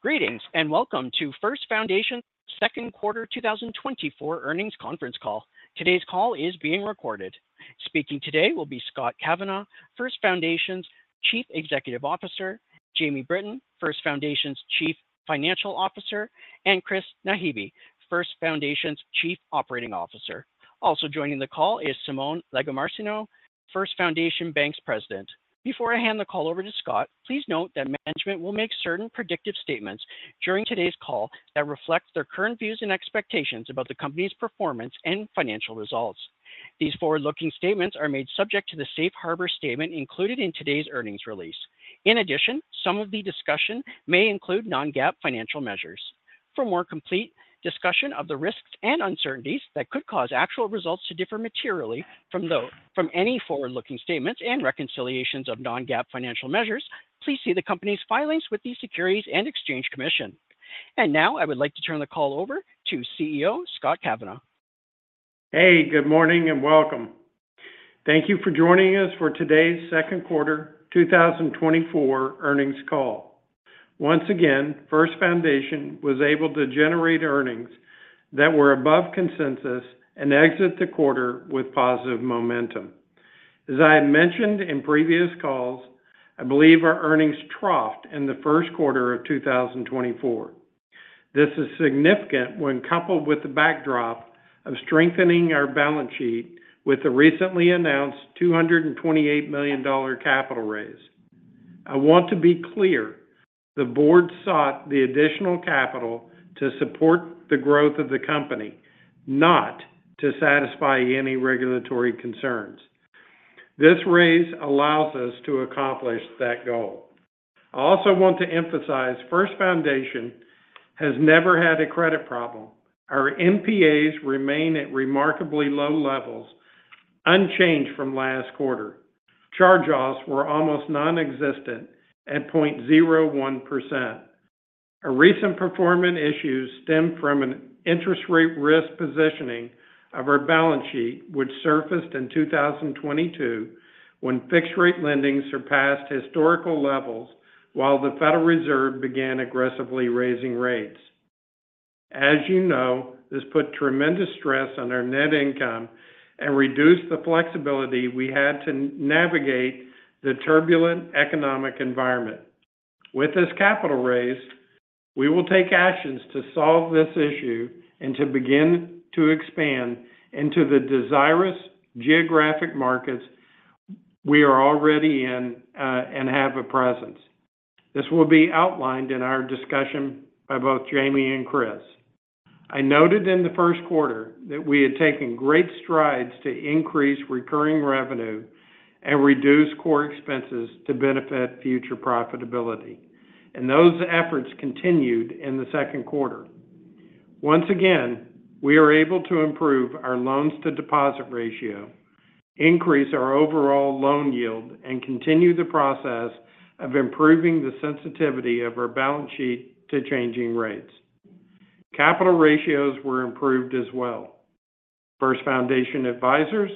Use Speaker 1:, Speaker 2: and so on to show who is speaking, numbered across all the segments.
Speaker 1: Greetings and welcome to First Foundation's second quarter 2024 earnings conference call. Today's call is being recorded. Speaking today will be Scott Kavanaugh, First Foundation's Chief Executive Officer; Jamie Britton, First Foundation's Chief Financial Officer; and Chris Naghibi, First Foundation's Chief Operating Officer. Also joining the call is Simone Lagomarsino, First Foundation Bank's President. Before I hand the call over to Scott, please note that management will make certain predictive statements during today's call that reflect their current views and expectations about the company's performance and financial results. These forward-looking statements are made subject to the Safe Harbor Statement included in today's earnings release. In addition, some of the discussion may include non-GAAP financial measures. For more complete discussion of the risks and uncertainties that could cause actual results to differ materially from any forward-looking statements and reconciliations of non-GAAP financial measures, please see the company's filings with the Securities and Exchange Commission. Now I would like to turn the call over to CEO Scott Kavanaugh.
Speaker 2: Hey, good morning and welcome. Thank you for joining us for today's second quarter 2024 earnings call. Once again, First Foundation was able to generate earnings that were above consensus and exit the quarter with positive momentum. As I had mentioned in previous calls, I believe our earnings troughed in the first quarter of 2024. This is significant when coupled with the backdrop of strengthening our balance sheet with the recently announced $228 million capital raise. I want to be clear, the board sought the additional capital to support the growth of the company, not to satisfy any regulatory concerns. This raise allows us to accomplish that goal. I also want to emphasize First Foundation has never had a credit problem. Our NPAs remain at remarkably low levels, unchanged from last quarter. Charge-offs were almost nonexistent at 0.01%. Our recent performance issues stem from an interest rate risk positioning of our balance sheet, which surfaced in 2022 when fixed-rate lending surpassed historical levels while the Federal Reserve began aggressively raising rates. As you know, this put tremendous stress on our net income and reduced the flexibility we had to navigate the turbulent economic environment. With this capital raise, we will take actions to solve this issue and to begin to expand into the desirous geographic markets we are already in and have a presence. This will be outlined in our discussion by both Jamie and Chris. I noted in the first quarter that we had taken great strides to increase recurring revenue and reduce core expenses to benefit future profitability, and those efforts continued in the second quarter. Once again, we are able to improve our loans-to-deposit ratio, increase our overall loan yield, and continue the process of improving the sensitivity of our balance sheet to changing rates. Capital ratios were improved as well. First Foundation Advisors,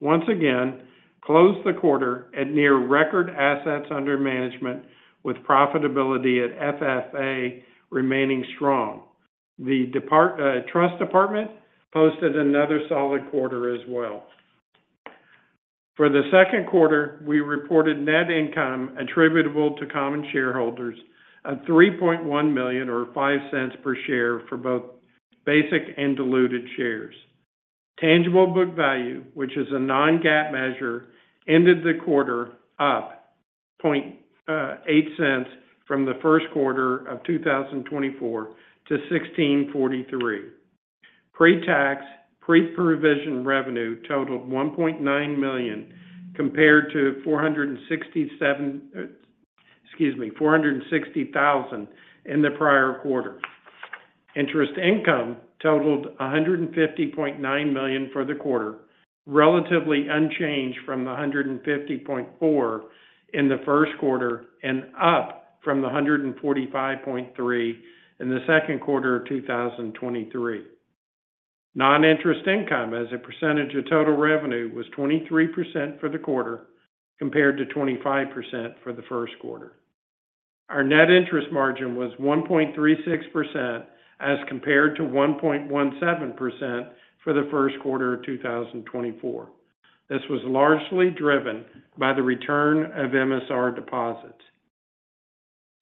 Speaker 2: once again, closed the quarter at near record assets under management, with profitability at FFA remaining strong. The Trust Department posted another solid quarter as well. For the second quarter, we reported net income attributable to common shareholders of $3.1 million or $0.05 per share for both basic and diluted shares. Tangible book value, which is a non-GAAP measure, ended the quarter up $0.008 from the first quarter of 2024 to $16.43. Pre-tax, pre-provision revenue totaled $1.9 million compared to $460,000 in the prior quarter. Interest income totaled $150.9 million for the quarter, relatively unchanged from the $150.4 million in the first quarter and up from the $145.3 million in the second quarter of 2023. Non-interest income, as a percentage of total revenue, was 23% for the quarter compared to 25% for the first quarter. Our net interest margin was 1.36% as compared to 1.17% for the first quarter of 2024. This was largely driven by the return of MSR deposits.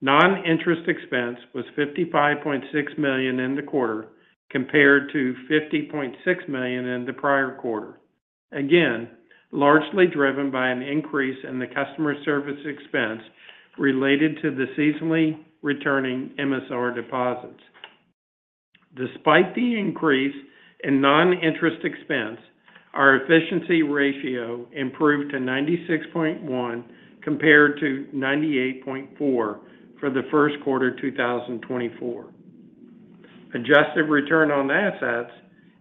Speaker 2: Non-interest expense was $55.6 million in the quarter compared to $50.6 million in the prior quarter. Again, largely driven by an increase in the customer service expense related to the seasonally returning MSR deposits. Despite the increase in non-interest expense, our efficiency ratio improved to 96.1 compared to 98.4 for the first quarter of 2024. Adjusted return on assets,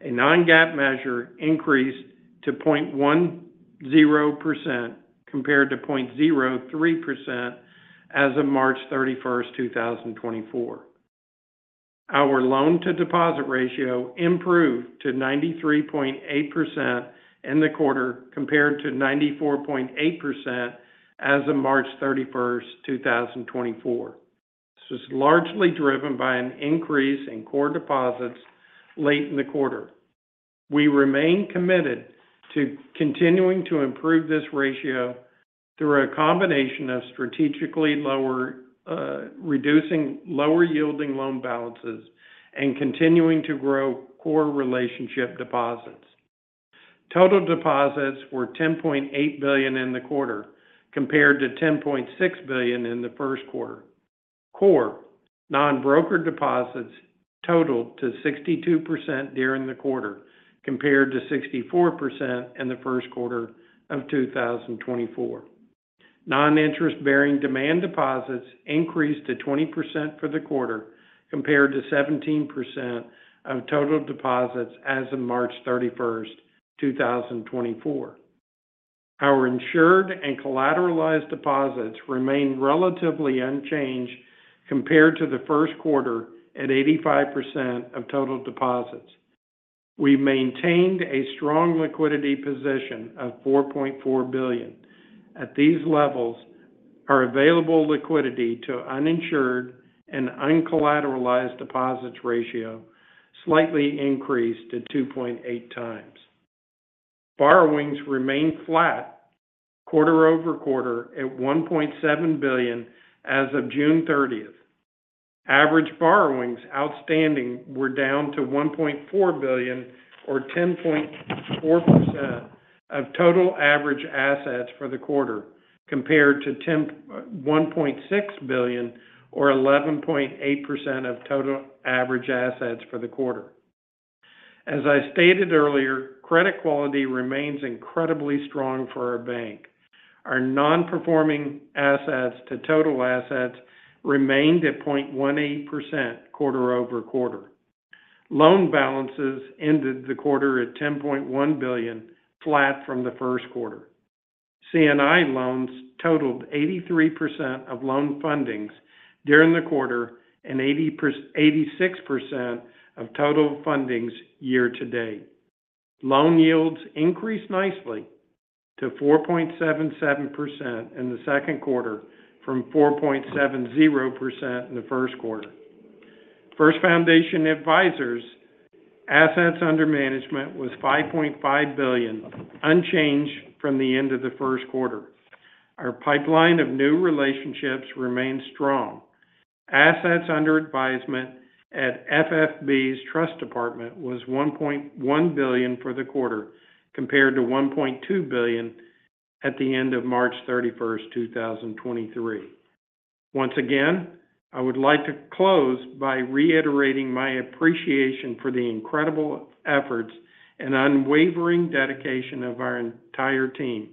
Speaker 2: a non-GAAP measure, increased to 0.10% compared to 0.03% as of March 31st, 2024. Our loan-to-deposit ratio improved to 93.8% in the quarter compared to 94.8% as of March 31st, 2024. This was largely driven by an increase in core deposits late in the quarter. We remain committed to continuing to improve this ratio through a combination of strategically reducing lower-yielding loan balances and continuing to grow core relationship deposits. Total deposits were $10.8 billion in the quarter compared to $10.6 billion in the first quarter. Core non-broker deposits totaled to 62% during the quarter compared to 64% in the first quarter of 2024. Non-interest-bearing demand deposits increased to 20% for the quarter compared to 17% of total deposits as of March 31st, 2024. Our insured and collateralized deposits remain relatively unchanged compared to the first quarter at 85% of total deposits. We maintained a strong liquidity position of $4.4 billion. At these levels, our available liquidity to uninsured and uncollateralized deposits ratio slightly increased to 2.8 times. Borrowings remained flat quarter-over-quarter at $1.7 billion as of June 30th. Average borrowings outstanding were down to $1.4 billion, or 10.4% of total average assets for the quarter, compared to $1.6 billion, or 11.8% of total average assets for the quarter. As I stated earlier, credit quality remains incredibly strong for our bank. Our non-performing assets to total assets remained at 0.18% quarter-over-quarter. Loan balances ended the quarter at $10.1 billion, flat from the first quarter. C&I loans totaled 83% of loan fundings during the quarter and 86% of total fundings year to date. Loan yields increased nicely to 4.77% in the second quarter from 4.70% in the first quarter. First Foundation Advisors' assets under management was $5.5 billion, unchanged from the end of the first quarter. Our pipeline of new relationships remains strong. Assets under advisement at FFB's Trust Department was $1.1 billion for the quarter compared to $1.2 billion at the end of March 31st, 2023. Once again, I would like to close by reiterating my appreciation for the incredible efforts and unwavering dedication of our entire team.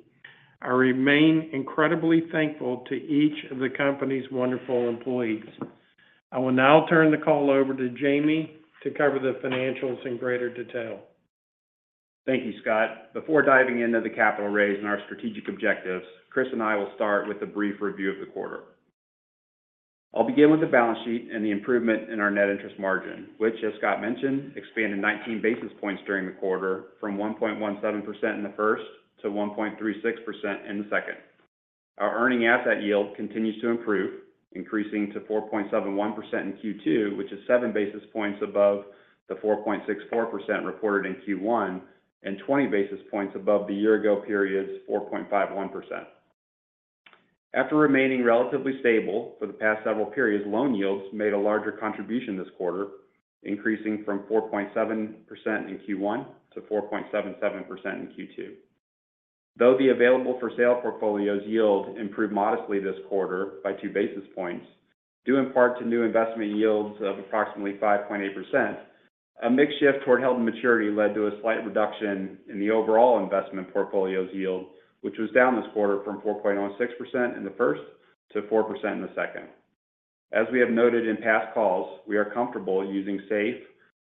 Speaker 2: I remain incredibly thankful to each of the company's wonderful employees. I will now turn the call over to Jamie to cover the financials in greater detail.
Speaker 3: Thank you, Scott. Before diving into the capital raise and our strategic objectives, Chris and I will start with a brief review of the quarter. I'll begin with the balance sheet and the improvement in our net interest margin, which, as Scott mentioned, expanded 19 basis points during the quarter from 1.17% in the first to 1.36% in the second. Our earning asset yield continues to improve, increasing to 4.71% in Q2, which is 7 basis points above the 4.64% reported in Q1 and 20 basis points above the year-ago period's 4.51%. After remaining relatively stable for the past several periods, loan yields made a larger contribution this quarter, increasing from 4.7% in Q1 to 4.77% in Q2. Though the available-for-sale portfolio's yield improved modestly this quarter by two basis points, due in part to new investment yields of approximately 5.8%, a mixed shift toward held-to-maturity led to a slight reduction in the overall investment portfolio's yield, which was down this quarter from 4.06% in the first to 4% in the second. As we have noted in past calls, we are comfortable using safe,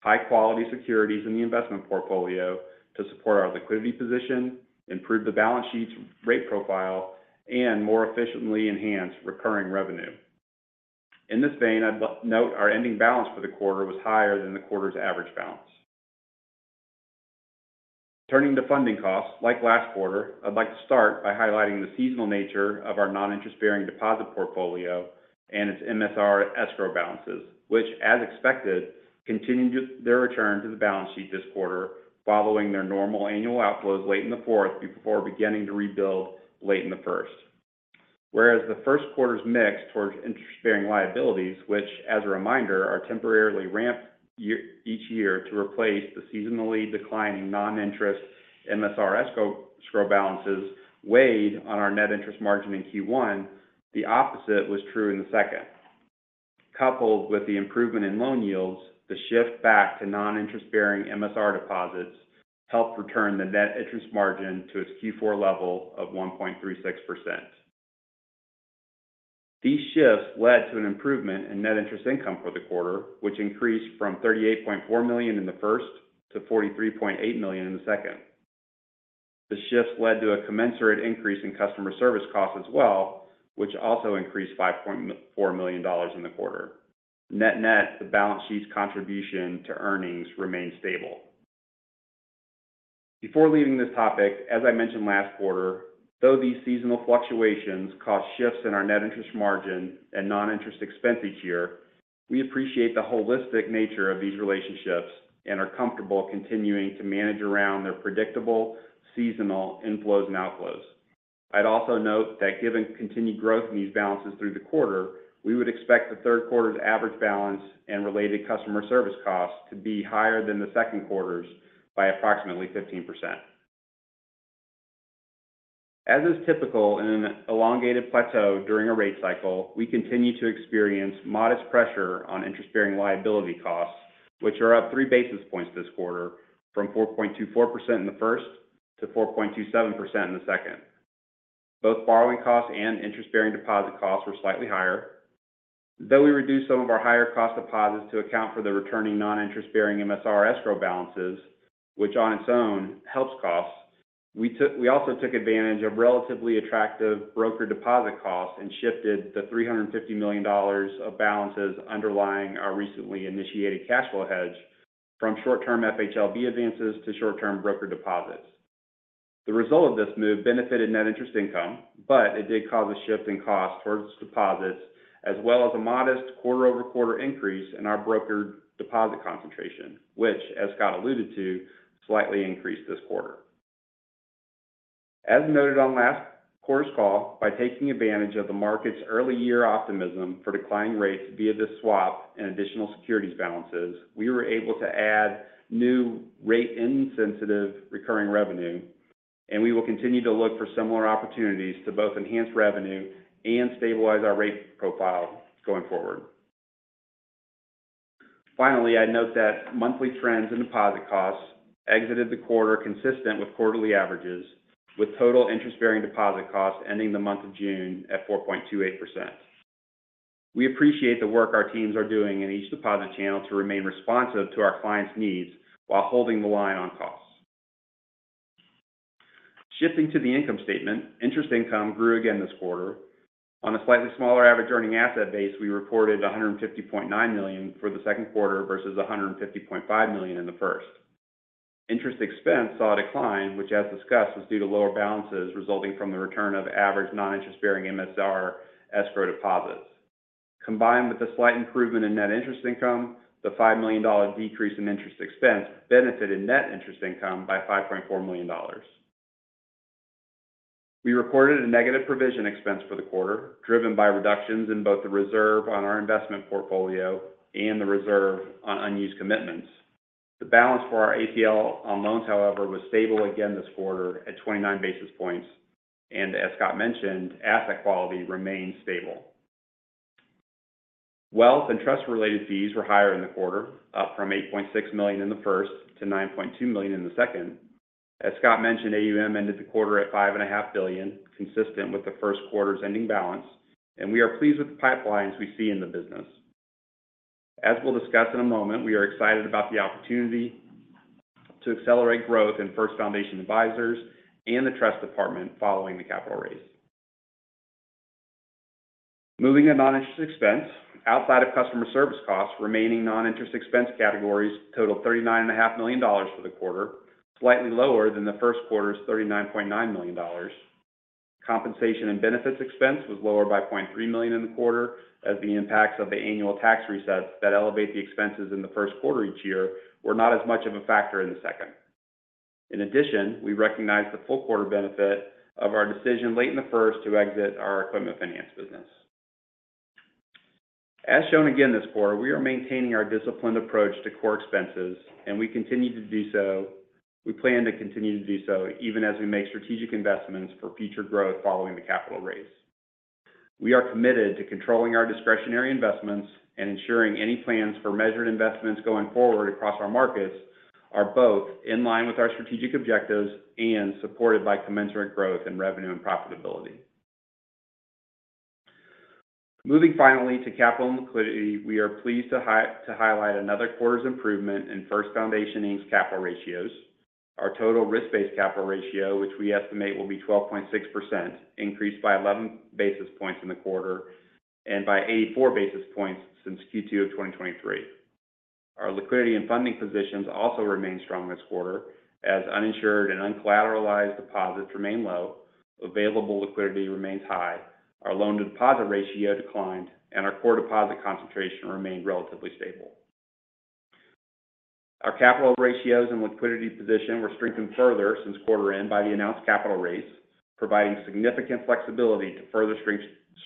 Speaker 3: high-quality securities in the investment portfolio to support our liquidity position, improve the balance sheet's rate profile, and more efficiently enhance recurring revenue. In this vein, I'd note our ending balance for the quarter was higher than the quarter's average balance. Turning to funding costs, like last quarter, I'd like to start by highlighting the seasonal nature of our non-interest-bearing deposit portfolio and its MSR escrow balances, which, as expected, continued their return to the balance sheet this quarter following their normal annual outflows late in the fourth before beginning to rebuild late in the first. Whereas the first quarter's mix towards interest-bearing liabilities, which, as a reminder, are temporarily ramped each year to replace the seasonally declining non-interest MSR escrow balances, weighed on our net interest margin in Q1, the opposite was true in the second. Coupled with the improvement in loan yields, the shift back to non-interest-bearing MSR deposits helped return the net interest margin to its Q4 level of 1.36%. These shifts led to an improvement in net interest income for the quarter, which increased from $38.4 million in the first to $43.8 million in the second. The shifts led to a commensurate increase in customer service costs as well, which also increased $5.4 million in the quarter. Net-net, the balance sheet's contribution to earnings remained stable. Before leaving this topic, as I mentioned last quarter, though these seasonal fluctuations cause shifts in our net interest margin and non-interest expense each year, we appreciate the holistic nature of these relationships and are comfortable continuing to manage around their predictable seasonal inflows and outflows. I'd also note that given continued growth in these balances through the quarter, we would expect the third quarter's average balance and related customer service costs to be higher than the second quarter's by approximately 15%. As is typical in an elongated plateau during a rate cycle, we continue to experience modest pressure on interest-bearing liability costs, which are up three basis points this quarter from 4.24% in the first to 4.27% in the second. Both borrowing costs and interest-bearing deposit costs were slightly higher. Though we reduced some of our higher cost deposits to account for the returning non-interest-bearing MSR escrow balances, which on its own helps costs, we also took advantage of relatively attractive broker deposit costs and shifted the $350 million of balances underlying our recently initiated cash flow hedge from short-term FHLB advances to short-term broker deposits. The result of this move benefited net interest income, but it did cause a shift in costs towards deposits, as well as a modest quarter-over-quarter increase in our broker deposit concentration, which, as Scott alluded to, slightly increased this quarter. As noted on last quarter's call, by taking advantage of the market's early-year optimism for declining rates via this swap and additional securities balances, we were able to add new rate-insensitive recurring revenue, and we will continue to look for similar opportunities to both enhance revenue and stabilize our rate profile going forward. Finally, I'd note that monthly trends in deposit costs exited the quarter consistent with quarterly averages, with total interest-bearing deposit costs ending the month of June at 4.28%. We appreciate the work our teams are doing in each deposit channel to remain responsive to our clients' needs while holding the line on costs. Shifting to the income statement, interest income grew again this quarter. On a slightly smaller average earning asset base, we reported $150.9 million for the second quarter versus $150.5 million in the first. Interest expense saw a decline, which, as discussed, was due to lower balances resulting from the return of average non-interest-bearing MSR escrow deposits. Combined with the slight improvement in net interest income, the $5 million decrease in interest expense benefited net interest income by $5.4 million. We recorded a negative provision expense for the quarter, driven by reductions in both the reserve on our investment portfolio and the reserve on unused commitments. The balance for our ACL on loans, however, was stable again this quarter at 29 basis points, and, as Scott mentioned, asset quality remained stable. Wealth and trust-related fees were higher in the quarter, up from $8.6 million in the first to $9.2 million in the second. As Scott mentioned, AUM ended the quarter at $5.5 billion, consistent with the first quarter's ending balance, and we are pleased with the pipelines we see in the business. As we'll discuss in a moment, we are excited about the opportunity to accelerate growth in First Foundation Advisors and the Trust Department following the capital raise. Moving to non-interest expense, outside of customer service costs, remaining non-interest expense categories totaled $39.5 million for the quarter, slightly lower than the first quarter's $39.9 million. Compensation and benefits expense was lower by $0.3 million in the quarter, as the impacts of the annual tax resets that elevate the expenses in the first quarter each year were not as much of a factor in the second. In addition, we recognize the full quarter benefit of our decision late in the first to exit our equipment finance business. As shown again this quarter, we are maintaining our disciplined approach to core expenses, and we continue to do so. We plan to continue to do so even as we make strategic investments for future growth following the capital raise. We are committed to controlling our discretionary investments and ensuring any plans for measured investments going forward across our markets are both in line with our strategic objectives and supported by commensurate growth in revenue and profitability. Moving finally to capital and liquidity, we are pleased to highlight another quarter's improvement in First Foundation Inc.'s capital ratios. Our total risk-based capital ratio, which we estimate will be 12.6%, increased by 11 basis points in the quarter and by 84 basis points since Q2 of 2023. Our liquidity and funding positions also remained strong this quarter, as uninsured and uncollateralized deposits remain low, available liquidity remains high, our loan-to-deposit ratio declined, and our core deposit concentration remained relatively stable. Our capital ratios and liquidity position were strengthened further since quarter end by the announced capital raise, providing significant flexibility to further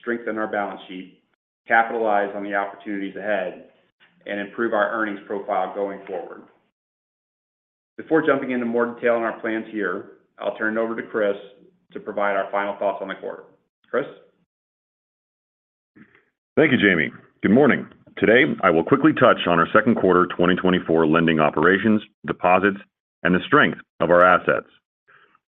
Speaker 3: strengthen our balance sheet, capitalize on the opportunities ahead, and improve our earnings profile going forward. Before jumping into more detail on our plans here, I'll turn it over to Chris to provide our final thoughts on the quarter. Chris?
Speaker 4: Thank you, Jamie. Good morning. Today, I will quickly touch on our second quarter 2024 lending operations, deposits, and the strength of our assets.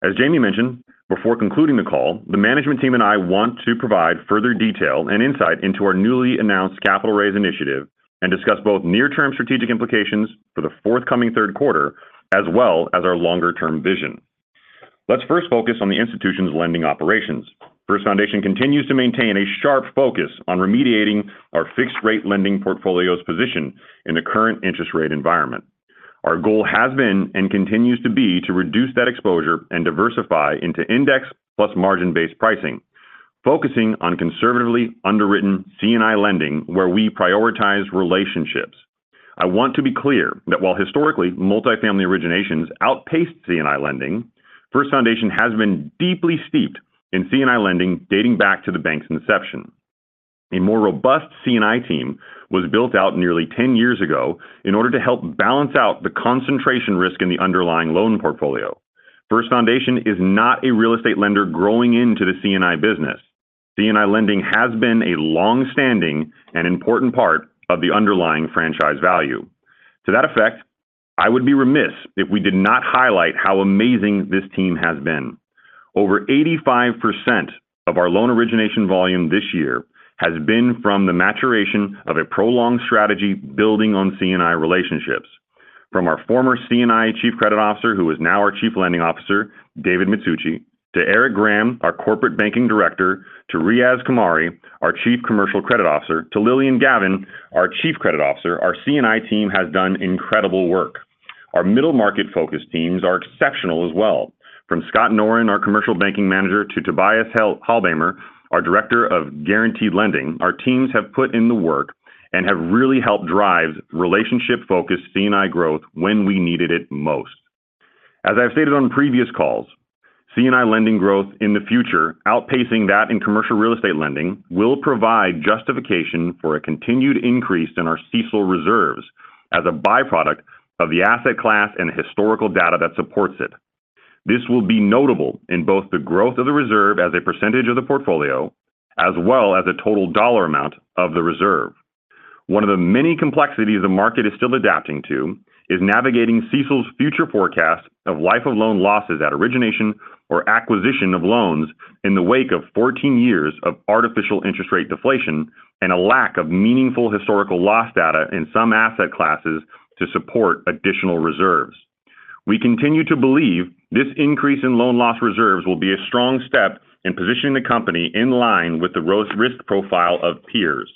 Speaker 4: As Jamie mentioned, before concluding the call, the management team and I want to provide further detail and insight into our newly announced capital raise initiative and discuss both near-term strategic implications for the forthcoming third quarter as well as our longer-term vision. Let's first focus on the institution's lending operations. First Foundation continues to maintain a sharp focus on remediating our fixed-rate lending portfolio's position in the current interest rate environment. Our goal has been and continues to be to reduce that exposure and diversify into index plus margin-based pricing, focusing on conservatively underwritten C&I lending where we prioritize relationships. I want to be clear that while historically multifamily originations outpaced C&I lending, First Foundation has been deeply steeped in C&I lending dating back to the bank's inception. A more robust C&I team was built out nearly 10 years ago in order to help balance out the concentration risk in the underlying loan portfolio. First Foundation is not a real estate lender growing into the C&I business. C&I lending has been a long-standing and important part of the underlying franchise value. To that effect, I would be remiss if we did not highlight how amazing this team has been. Over 85% of our loan origination volume this year has been from the maturation of a prolonged strategy building on C&I relationships. From our former C&I Chief Credit Officer, who is now our Chief Lending Officer, David Mitsuuchi, to Aric Graham, our Corporate Banking Director, to Riaz Qamari, our Chief Commercial Credit Officer, to Lillian Gavin, our Chief Credit Officer, our C&I team has done incredible work. Our middle-market-focused teams are exceptional as well. From Scott Norin, our Commercial Banking Manager, to Tobias Halbmaier, our Director of Guaranteed Lending, our teams have put in the work and have really helped drive relationship-focused C&I growth when we needed it most. As I've stated on previous calls, C&I lending growth in the future, outpacing that in commercial real estate lending, will provide justification for a continued increase in our CECL reserves as a byproduct of the asset class and historical data that supports it. This will be notable in both the growth of the reserve as a percentage of the portfolio as well as the total dollar amount of the reserve. One of the many complexities the market is still adapting to is navigating CECL's future forecast of life of loan losses at origination or acquisition of loans in the wake of 14 years of artificial interest rate deflation and a lack of meaningful historical loss data in some asset classes to support additional reserves. We continue to believe this increase in loan loss reserves will be a strong step in positioning the company in line with the risk profile of peers.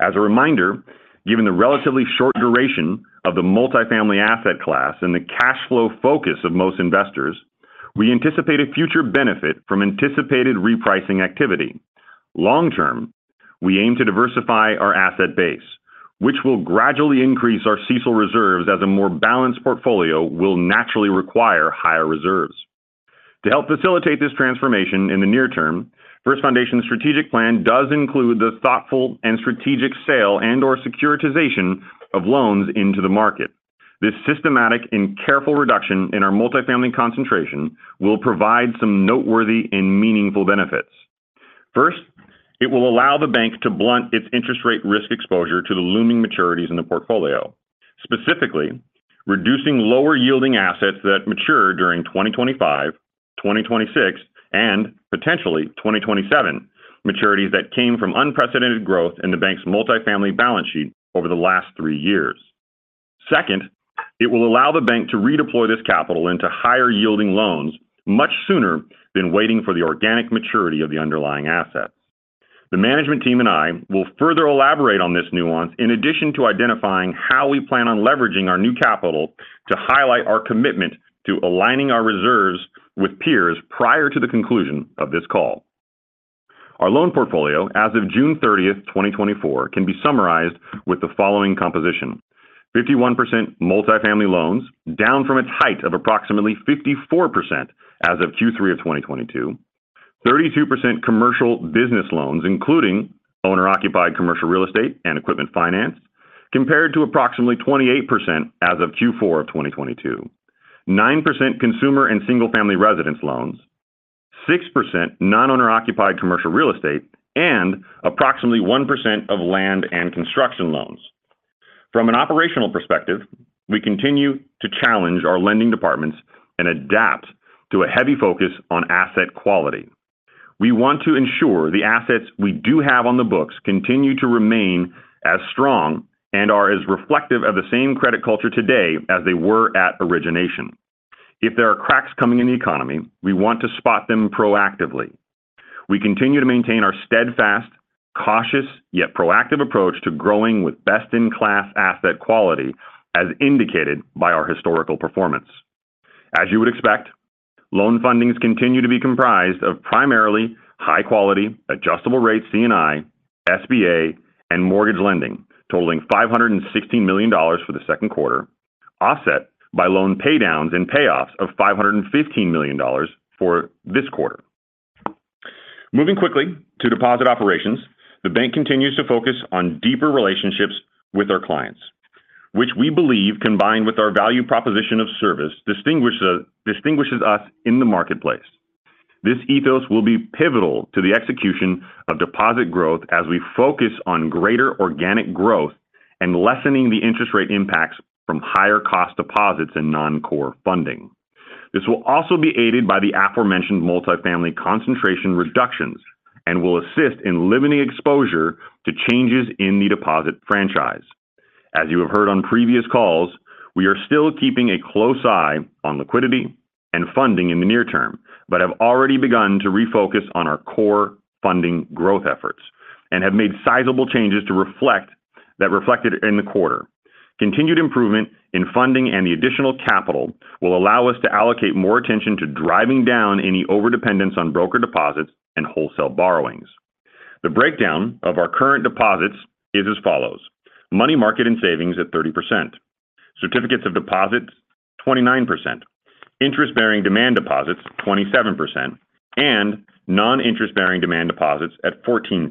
Speaker 4: As a reminder, given the relatively short duration of the multifamily asset class and the cash flow focus of most investors, we anticipate a future benefit from anticipated repricing activity. Long-term, we aim to diversify our asset base, which will gradually increase our CECL reserves as a more balanced portfolio will naturally require higher reserves. To help facilitate this transformation in the near term, First Foundation's strategic plan does include the thoughtful and strategic sale and/or securitization of loans into the market. This systematic and careful reduction in our multifamily concentration will provide some noteworthy and meaningful benefits. First, it will allow the bank to blunt its interest rate risk exposure to the looming maturities in the portfolio, specifically reducing lower-yielding assets that mature during 2025, 2026, and potentially 2027, maturities that came from unprecedented growth in the bank's multifamily balance sheet over the last three years. Second, it will allow the bank to redeploy this capital into higher-yielding loans much sooner than waiting for the organic maturity of the underlying assets. The management team and I will further elaborate on this nuance in addition to identifying how we plan on leveraging our new capital to highlight our commitment to aligning our reserves with peers prior to the conclusion of this call. Our loan portfolio as of June 30th, 2024, can be summarized with the following composition: 51% multifamily loans, down from its height of approximately 54% as of Q3 of 2022. 32% commercial business loans, including owner-occupied commercial real estate and equipment finance, compared to approximately 28% as of Q4 of 2022. 9% consumer and single-family residence loans. 6% non-owner-occupied commercial real estate. And approximately 1% of land and construction loans. From an operational perspective, we continue to challenge our lending departments and adapt to a heavy focus on asset quality. We want to ensure the assets we do have on the books continue to remain as strong and are as reflective of the same credit culture today as they were at origination. If there are cracks coming in the economy, we want to spot them proactively. We continue to maintain our steadfast, cautious, yet proactive approach to growing with best-in-class asset quality, as indicated by our historical performance. As you would expect, loan fundings continue to be comprised of primarily high-quality, adjustable-rate C&I, SBA, and mortgage lending totaling $516 million for the second quarter, offset by loan paydowns and payoffs of $515 million for this quarter. Moving quickly to deposit operations, the bank continues to focus on deeper relationships with our clients, which we believe combined with our value proposition of service distinguishes us in the marketplace. This ethos will be pivotal to the execution of deposit growth as we focus on greater organic growth and lessening the interest rate impacts from higher-cost deposits and non-core funding. This will also be aided by the aforementioned multifamily concentration reductions and will assist in limiting exposure to changes in the deposit franchise. As you have heard on previous calls, we are still keeping a close eye on liquidity and funding in the near term but have already begun to refocus on our core funding growth efforts and have made sizable changes that reflected in the quarter. Continued improvement in funding and the additional capital will allow us to allocate more attention to driving down any overdependence on broker deposits and wholesale borrowings. The breakdown of our current deposits is as follows: money market and savings at 30%, certificates of deposit 29%, interest-bearing demand deposits 27%, and non-interest-bearing demand deposits at 14%.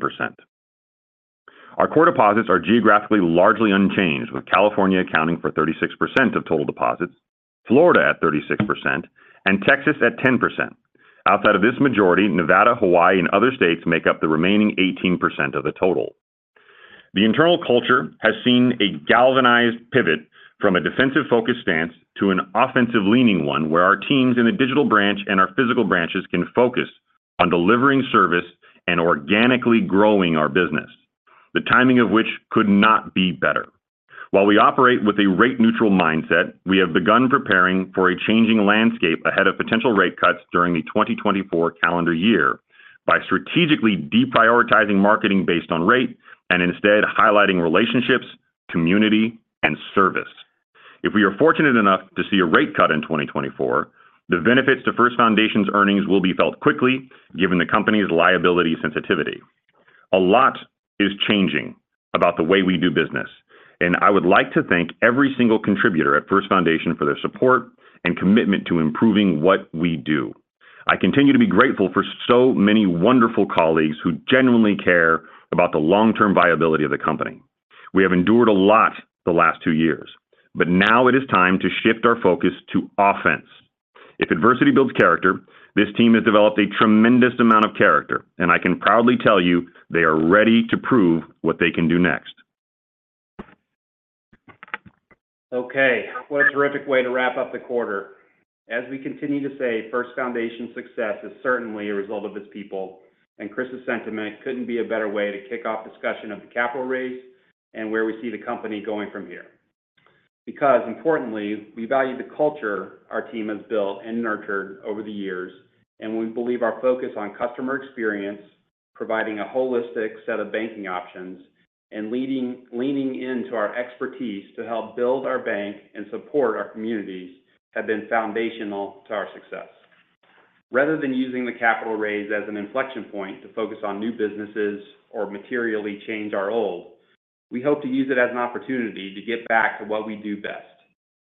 Speaker 4: Our core deposits are geographically largely unchanged, with California accounting for 36% of total deposits, Florida at 36%, and Texas at 10%. Outside of this majority, Nevada, Hawaii, and other states make up the remaining 18% of the total. The internal culture has seen a galvanized pivot from a defensive-focused stance to an offensive-leaning one where our teams in the digital branch and our physical branches can focus on delivering service and organically growing our business, the timing of which could not be better. While we operate with a rate-neutral mindset, we have begun preparing for a changing landscape ahead of potential rate cuts during the 2024 calendar year by strategically deprioritizing marketing based on rate and instead highlighting relationships, community, and service. If we are fortunate enough to see a rate cut in 2024, the benefits to First Foundation's earnings will be felt quickly, given the company's liability sensitivity. A lot is changing about the way we do business, and I would like to thank every single contributor at First Foundation for their support and commitment to improving what we do. I continue to be grateful for so many wonderful colleagues who genuinely care about the long-term viability of the company. We have endured a lot the last two years, but now it is time to shift our focus to offense. If adversity builds character, this team has developed a tremendous amount of character, and I can proudly tell you they are ready to prove what they can do next.
Speaker 3: Okay. What a terrific way to wrap up the quarter. As we continue to say, First Foundation's success is certainly a result of its people, and Chris's sentiment couldn't be a better way to kick off discussion of the capital raise and where we see the company going from here. Because importantly, we value the culture our team has built and nurtured over the years, and we believe our focus on customer experience, providing a holistic set of banking options, and leaning into our expertise to help build our bank and support our communities have been foundational to our success. Rather than using the capital raise as an inflection point to focus on new businesses or materially change our old, we hope to use it as an opportunity to get back to what we do best: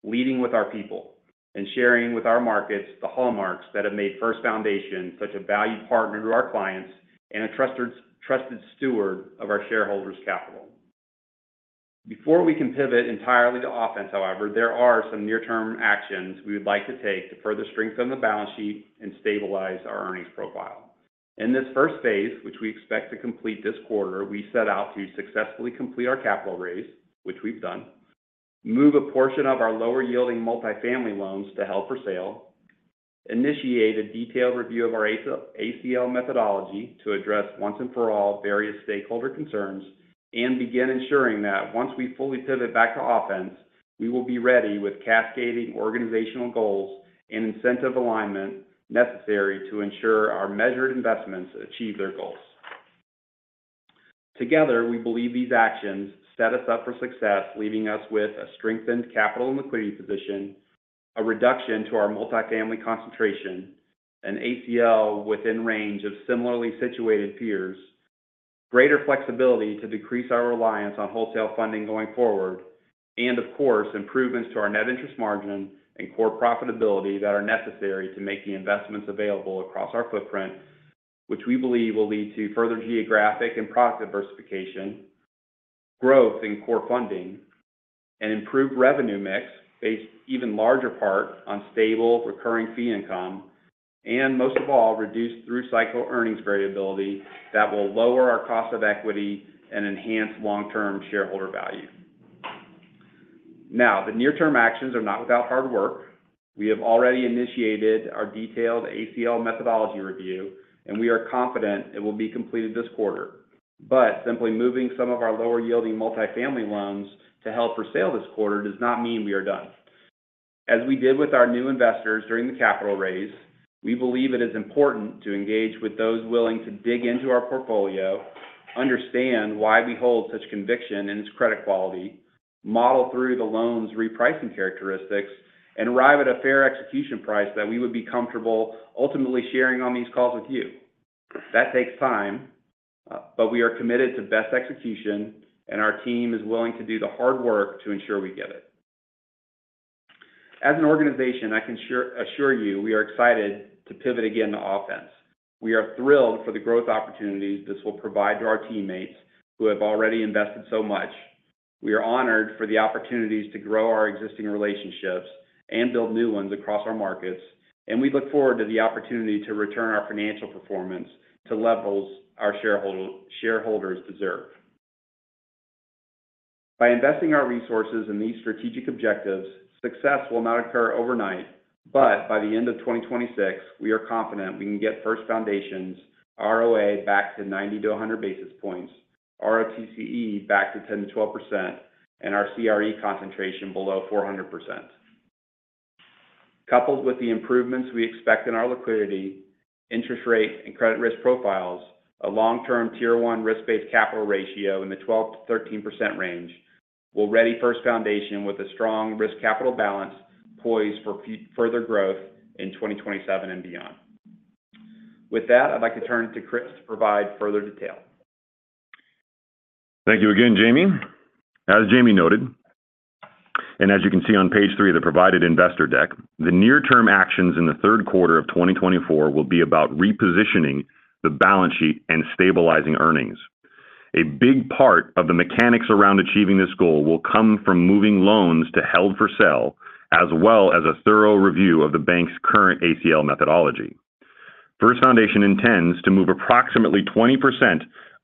Speaker 3: leading with our people and sharing with our markets the hallmarks that have made First Foundation such a valued partner to our clients and a trusted steward of our shareholders' capital. Before we can pivot entirely to offense, however, there are some near-term actions we would like to take to further strengthen the balance sheet and stabilize our earnings profile. In this first phase, which we expect to complete this quarter, we set out to successfully complete our capital raise, which we've done, move a portion of our lower-yielding multifamily loans to held for sale, initiate a detailed review of our ACL methodology to address once and for all various stakeholder concerns, and begin ensuring that once we fully pivot back to offense, we will be ready with cascading organizational goals and incentive alignment necessary to ensure our measured investments achieve their goals. Together, we believe these actions set us up for success, leaving us with a strengthened capital and liquidity position, a reduction to our multifamily concentration, an ACL within range of similarly situated peers, greater flexibility to decrease our reliance on wholesale funding going forward, and, of course, improvements to our net interest margin and core profitability that are necessary to make the investments available across our footprint, which we believe will lead to further geographic and product diversification, growth in core funding, an improved revenue mix based in even larger part on stable recurring fee income, and most of all, reduced through-cycle earnings variability that will lower our cost of equity and enhance long-term shareholder value. Now, the near-term actions are not without hard work. We have already initiated our detailed ACL methodology review, and we are confident it will be completed this quarter. But simply moving some of our lower-yielding multifamily loans to held-for-sale this quarter does not mean we are done. As we did with our new investors during the capital raise, we believe it is important to engage with those willing to dig into our portfolio, understand why we hold such conviction in its credit quality, model through the loans' repricing characteristics, and arrive at a fair execution price that we would be comfortable ultimately sharing on these calls with you. That takes time, but we are committed to best execution, and our team is willing to do the hard work to ensure we get it. As an organization, I can assure you we are excited to pivot again to offense. We are thrilled for the growth opportunities this will provide to our teammates who have already invested so much. We are honored for the opportunities to grow our existing relationships and build new ones across our markets, and we look forward to the opportunity to return our financial performance to levels our shareholders deserve. By investing our resources in these strategic objectives, success will not occur overnight, but by the end of 2026, we are confident we can get First Foundation's ROA back to 90-100 basis points, ROTCE back to 10%-12%, and our CRE concentration below 400%. Coupled with the improvements we expect in our liquidity, interest rate, and credit risk profiles, a long-term tier-one risk-based capital ratio in the 12%-13% range will ready First Foundation with a strong risk-capital balance poised for further growth in 2027 and beyond. With that, I'd like to turn to Chris to provide further detail.
Speaker 4: Thank you again, Jamie. As Jamie noted, and as you can see on page 3 of the provided investor deck, the near-term actions in the third quarter of 2024 will be about repositioning the balance sheet and stabilizing earnings. A big part of the mechanics around achieving this goal will come from moving loans to held-for-sale, as well as a thorough review of the bank's current ACL methodology. First Foundation intends to move approximately 20%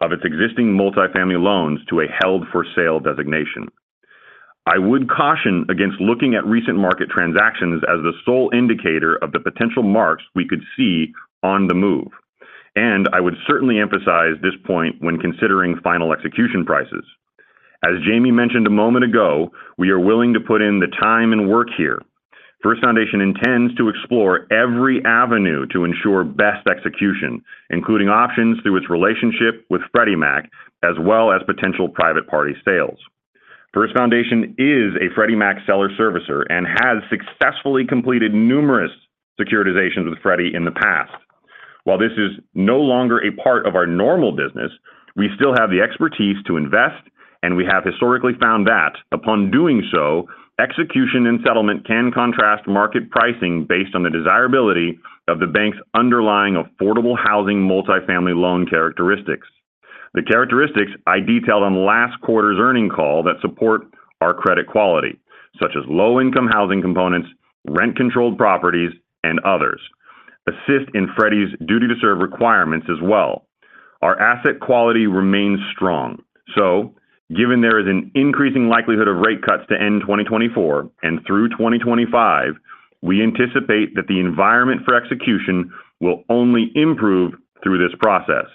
Speaker 4: of its existing multifamily loans to a held-for-sale designation. I would caution against looking at recent market transactions as the sole indicator of the potential marks we could see on the move, and I would certainly emphasize this point when considering final execution prices. As Jamie mentioned a moment ago, we are willing to put in the time and work here. First Foundation intends to explore every avenue to ensure best execution, including options through its relationship with Freddie Mac, as well as potential private-party sales. First Foundation is a Freddie Mac seller-servicer and has successfully completed numerous securitizations with Freddie in the past. While this is no longer a part of our normal business, we still have the expertise to invest, and we have historically found that, upon doing so, execution and settlement can contrast market pricing based on the desirability of the bank's underlying affordable housing multifamily loan characteristics. The characteristics I detailed on last quarter's earnings call that support our credit quality, such as low-income housing components, rent-controlled properties, and others, assist in Freddie's duty-to-serve requirements as well. Our asset quality remains strong. Given there is an increasing likelihood of rate cuts to end 2024 and through 2025, we anticipate that the environment for execution will only improve through this process.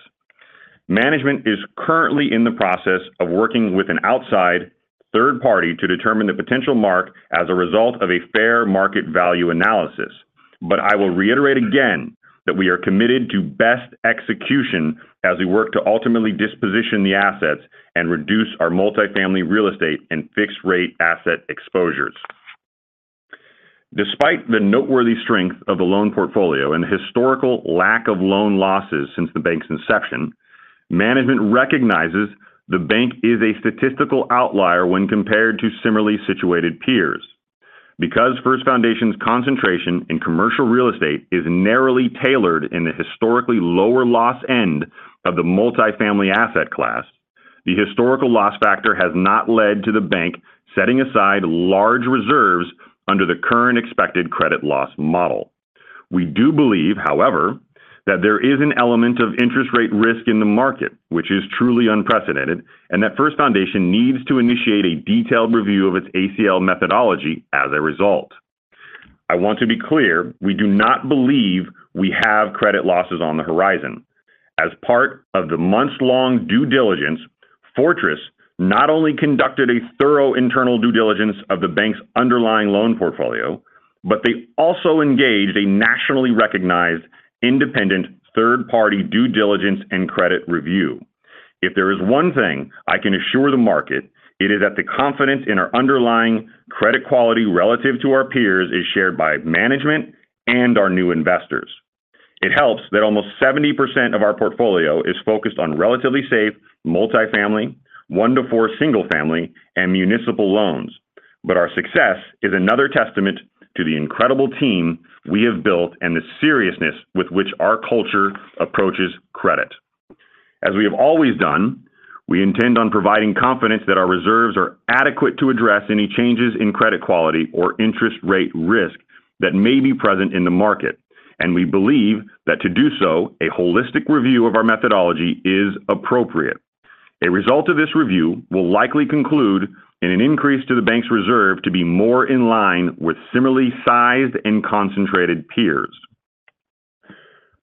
Speaker 4: Management is currently in the process of working with an outside third party to determine the potential mark as a result of a fair market value analysis, but I will reiterate again that we are committed to best execution as we work to ultimately disposition the assets and reduce our multifamily real estate and fixed-rate asset exposures. Despite the noteworthy strength of the loan portfolio and the historical lack of loan losses since the bank's inception, management recognizes the bank is a statistical outlier when compared to similarly situated peers. Because First Foundation's concentration in commercial real estate is narrowly tailored in the historically lower loss end of the multifamily asset class, the historical loss factor has not led to the bank setting aside large reserves under the current expected credit loss model. We do believe, however, that there is an element of interest rate risk in the market, which is truly unprecedented, and that First Foundation needs to initiate a detailed review of its ACL methodology as a result. I want to be clear: we do not believe we have credit losses on the horizon. As part of the months-long due diligence, Fortress not only conducted a thorough internal due diligence of the bank's underlying loan portfolio, but they also engaged a nationally recognized independent third-party due diligence and credit review. If there is one thing I can assure the market, it is that the confidence in our underlying credit quality relative to our peers is shared by management and our new investors. It helps that almost 70% of our portfolio is focused on relatively safe multifamily, one-to-four single-family, and municipal loans, but our success is another testament to the incredible team we have built and the seriousness with which our culture approaches credit. As we have always done, we intend on providing confidence that our reserves are adequate to address any changes in credit quality or interest rate risk that may be present in the market, and we believe that to do so, a holistic review of our methodology is appropriate. A result of this review will likely conclude in an increase to the bank's reserve to be more in line with similarly sized and concentrated peers.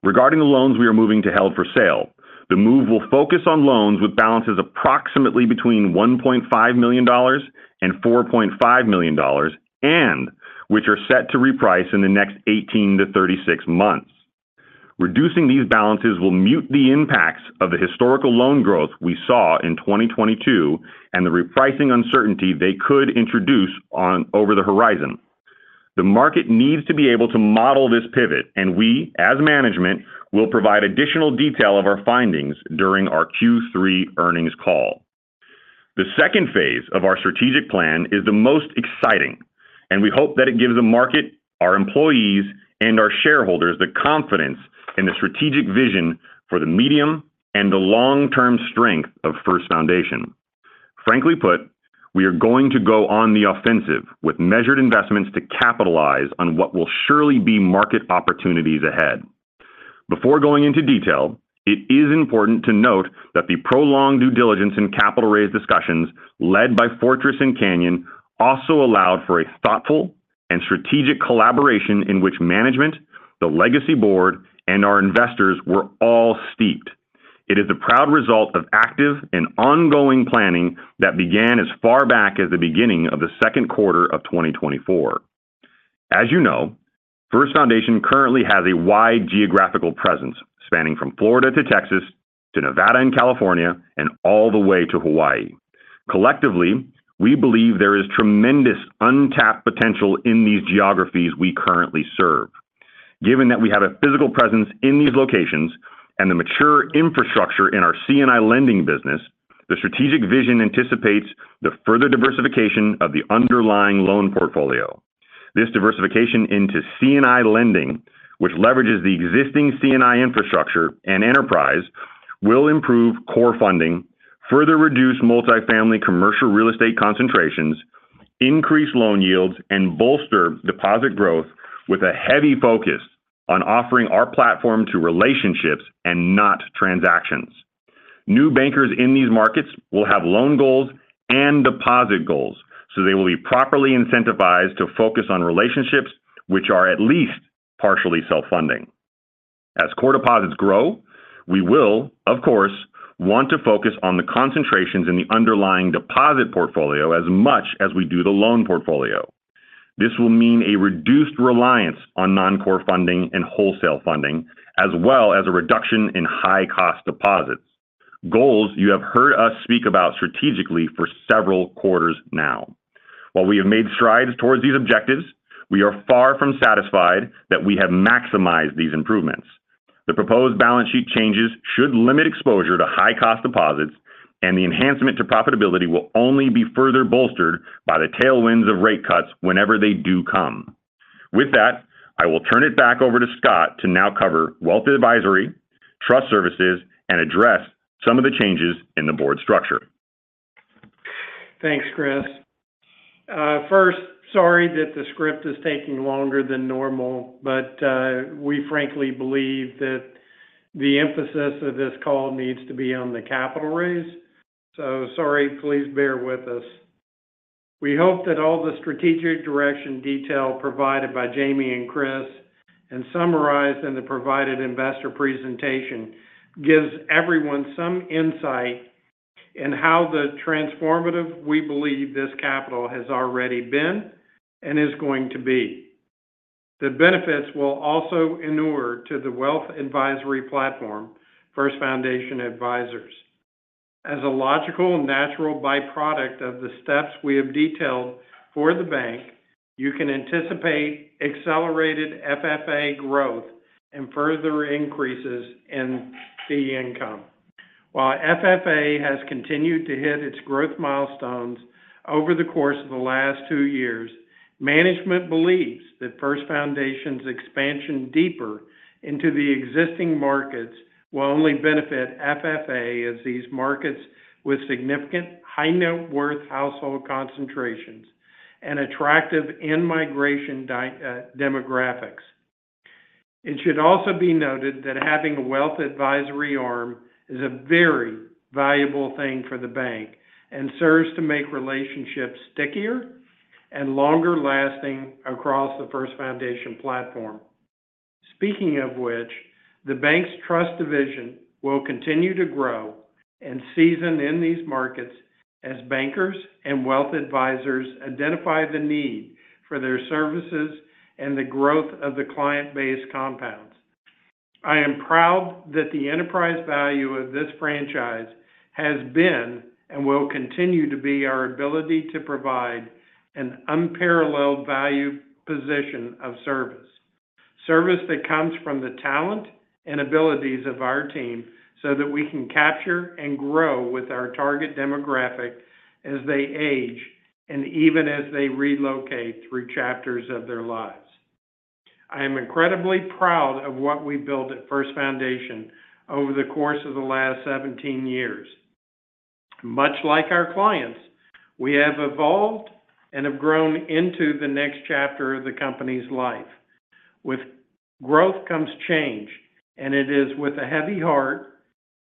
Speaker 4: Regarding the loans we are moving to held-for-sale, the move will focus on loans with balances approximately between $1.5 million-$4.5 million, and which are set to reprice in the next 18-36 months. Reducing these balances will mute the impacts of the historical loan growth we saw in 2022 and the repricing uncertainty they could introduce over the horizon. The market needs to be able to model this pivot, and we, as management, will provide additional detail of our findings during our Q3 earnings call. The second phase of our strategic plan is the most exciting, and we hope that it gives the market, our employees, and our shareholders the confidence in the strategic vision for the medium and the long-term strength of First Foundation. Frankly put, we are going to go on the offensive with measured investments to capitalize on what will surely be market opportunities ahead. Before going into detail, it is important to note that the prolonged due diligence and capital raise discussions led by Fortress and Canyon also allowed for a thoughtful and strategic collaboration in which management, the legacy board, and our investors were all steeped. It is the proud result of active and ongoing planning that began as far back as the beginning of the second quarter of 2024. As you know, First Foundation currently has a wide geographical presence spanning from Florida to Texas to Nevada and California and all the way to Hawaii. Collectively, we believe there is tremendous untapped potential in these geographies we currently serve. Given that we have a physical presence in these locations and the mature infrastructure in our C&I lending business, the strategic vision anticipates the further diversification of the underlying loan portfolio. This diversification into C&I lending, which leverages the existing C&I infrastructure and enterprise, will improve core funding, further reduce multifamily commercial real estate concentrations, increase loan yields, and bolster deposit growth with a heavy focus on offering our platform to relationships and not transactions. New bankers in these markets will have loan goals and deposit goals, so they will be properly incentivized to focus on relationships which are at least partially self-funding. As core deposits grow, we will, of course, want to focus on the concentrations in the underlying deposit portfolio as much as we do the loan portfolio. This will mean a reduced reliance on non-core funding and wholesale funding, as well as a reduction in high-cost deposits, goals you have heard us speak about strategically for several quarters now. While we have made strides towards these objectives, we are far from satisfied that we have maximized these improvements. The proposed balance sheet changes should limit exposure to high-cost deposits, and the enhancement to profitability will only be further bolstered by the tailwinds of rate cuts whenever they do come. With that, I will turn it back over to Scott to now cover wealth advisory, trust services, and address some of the changes in the board structure.
Speaker 2: Thanks, Chris. First, sorry that the script is taking longer than normal, but we frankly believe that the emphasis of this call needs to be on the capital raise. So sorry, please bear with us. We hope that all the strategic direction detail provided by Jamie and Chris and summarized in the provided investor presentation gives everyone some insight into how transformative we believe this capital has already been and is going to be. The benefits will also inure to the wealth advisory platform, First Foundation Advisors. As a logical, natural byproduct of the steps we have detailed for the bank, you can anticipate accelerated FFA growth and further increases in fee income. While FFA has continued to hit its growth milestones over the course of the last two years, management believes that First Foundation's expansion deeper into the existing markets will only benefit FFA as these markets with significant high-net-worth household concentrations and attractive in-migration demographics. It should also be noted that having a wealth advisory arm is a very valuable thing for the bank and serves to make relationships stickier and longer-lasting across the First Foundation platform. Speaking of which, the bank's trust division will continue to grow and season in these markets as bankers and wealth advisors identify the need for their services and the growth of the client-based compounds. I am proud that the enterprise value of this franchise has been and will continue to be our ability to provide an unparalleled value position of service, service that comes from the talent and abilities of our team so that we can capture and grow with our target demographic as they age and even as they relocate through chapters of their lives. I am incredibly proud of what we built at First Foundation over the course of the last 17 years. Much like our clients, we have evolved and have grown into the next chapter of the company's life. With growth comes change, and it is with a heavy heart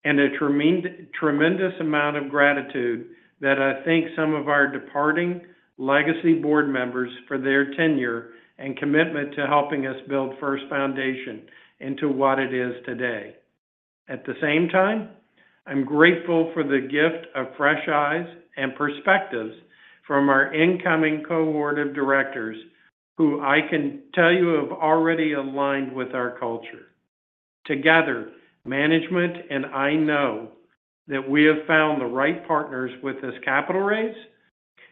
Speaker 2: and a tremendous amount of gratitude that I thank some of our departing legacy board members for their tenure and commitment to helping us build First Foundation into what it is today. At the same time, I'm grateful for the gift of fresh eyes and perspectives from our incoming co-board of directors, who I can tell you have already aligned with our culture. Together, management and I know that we have found the right partners with this capital raise,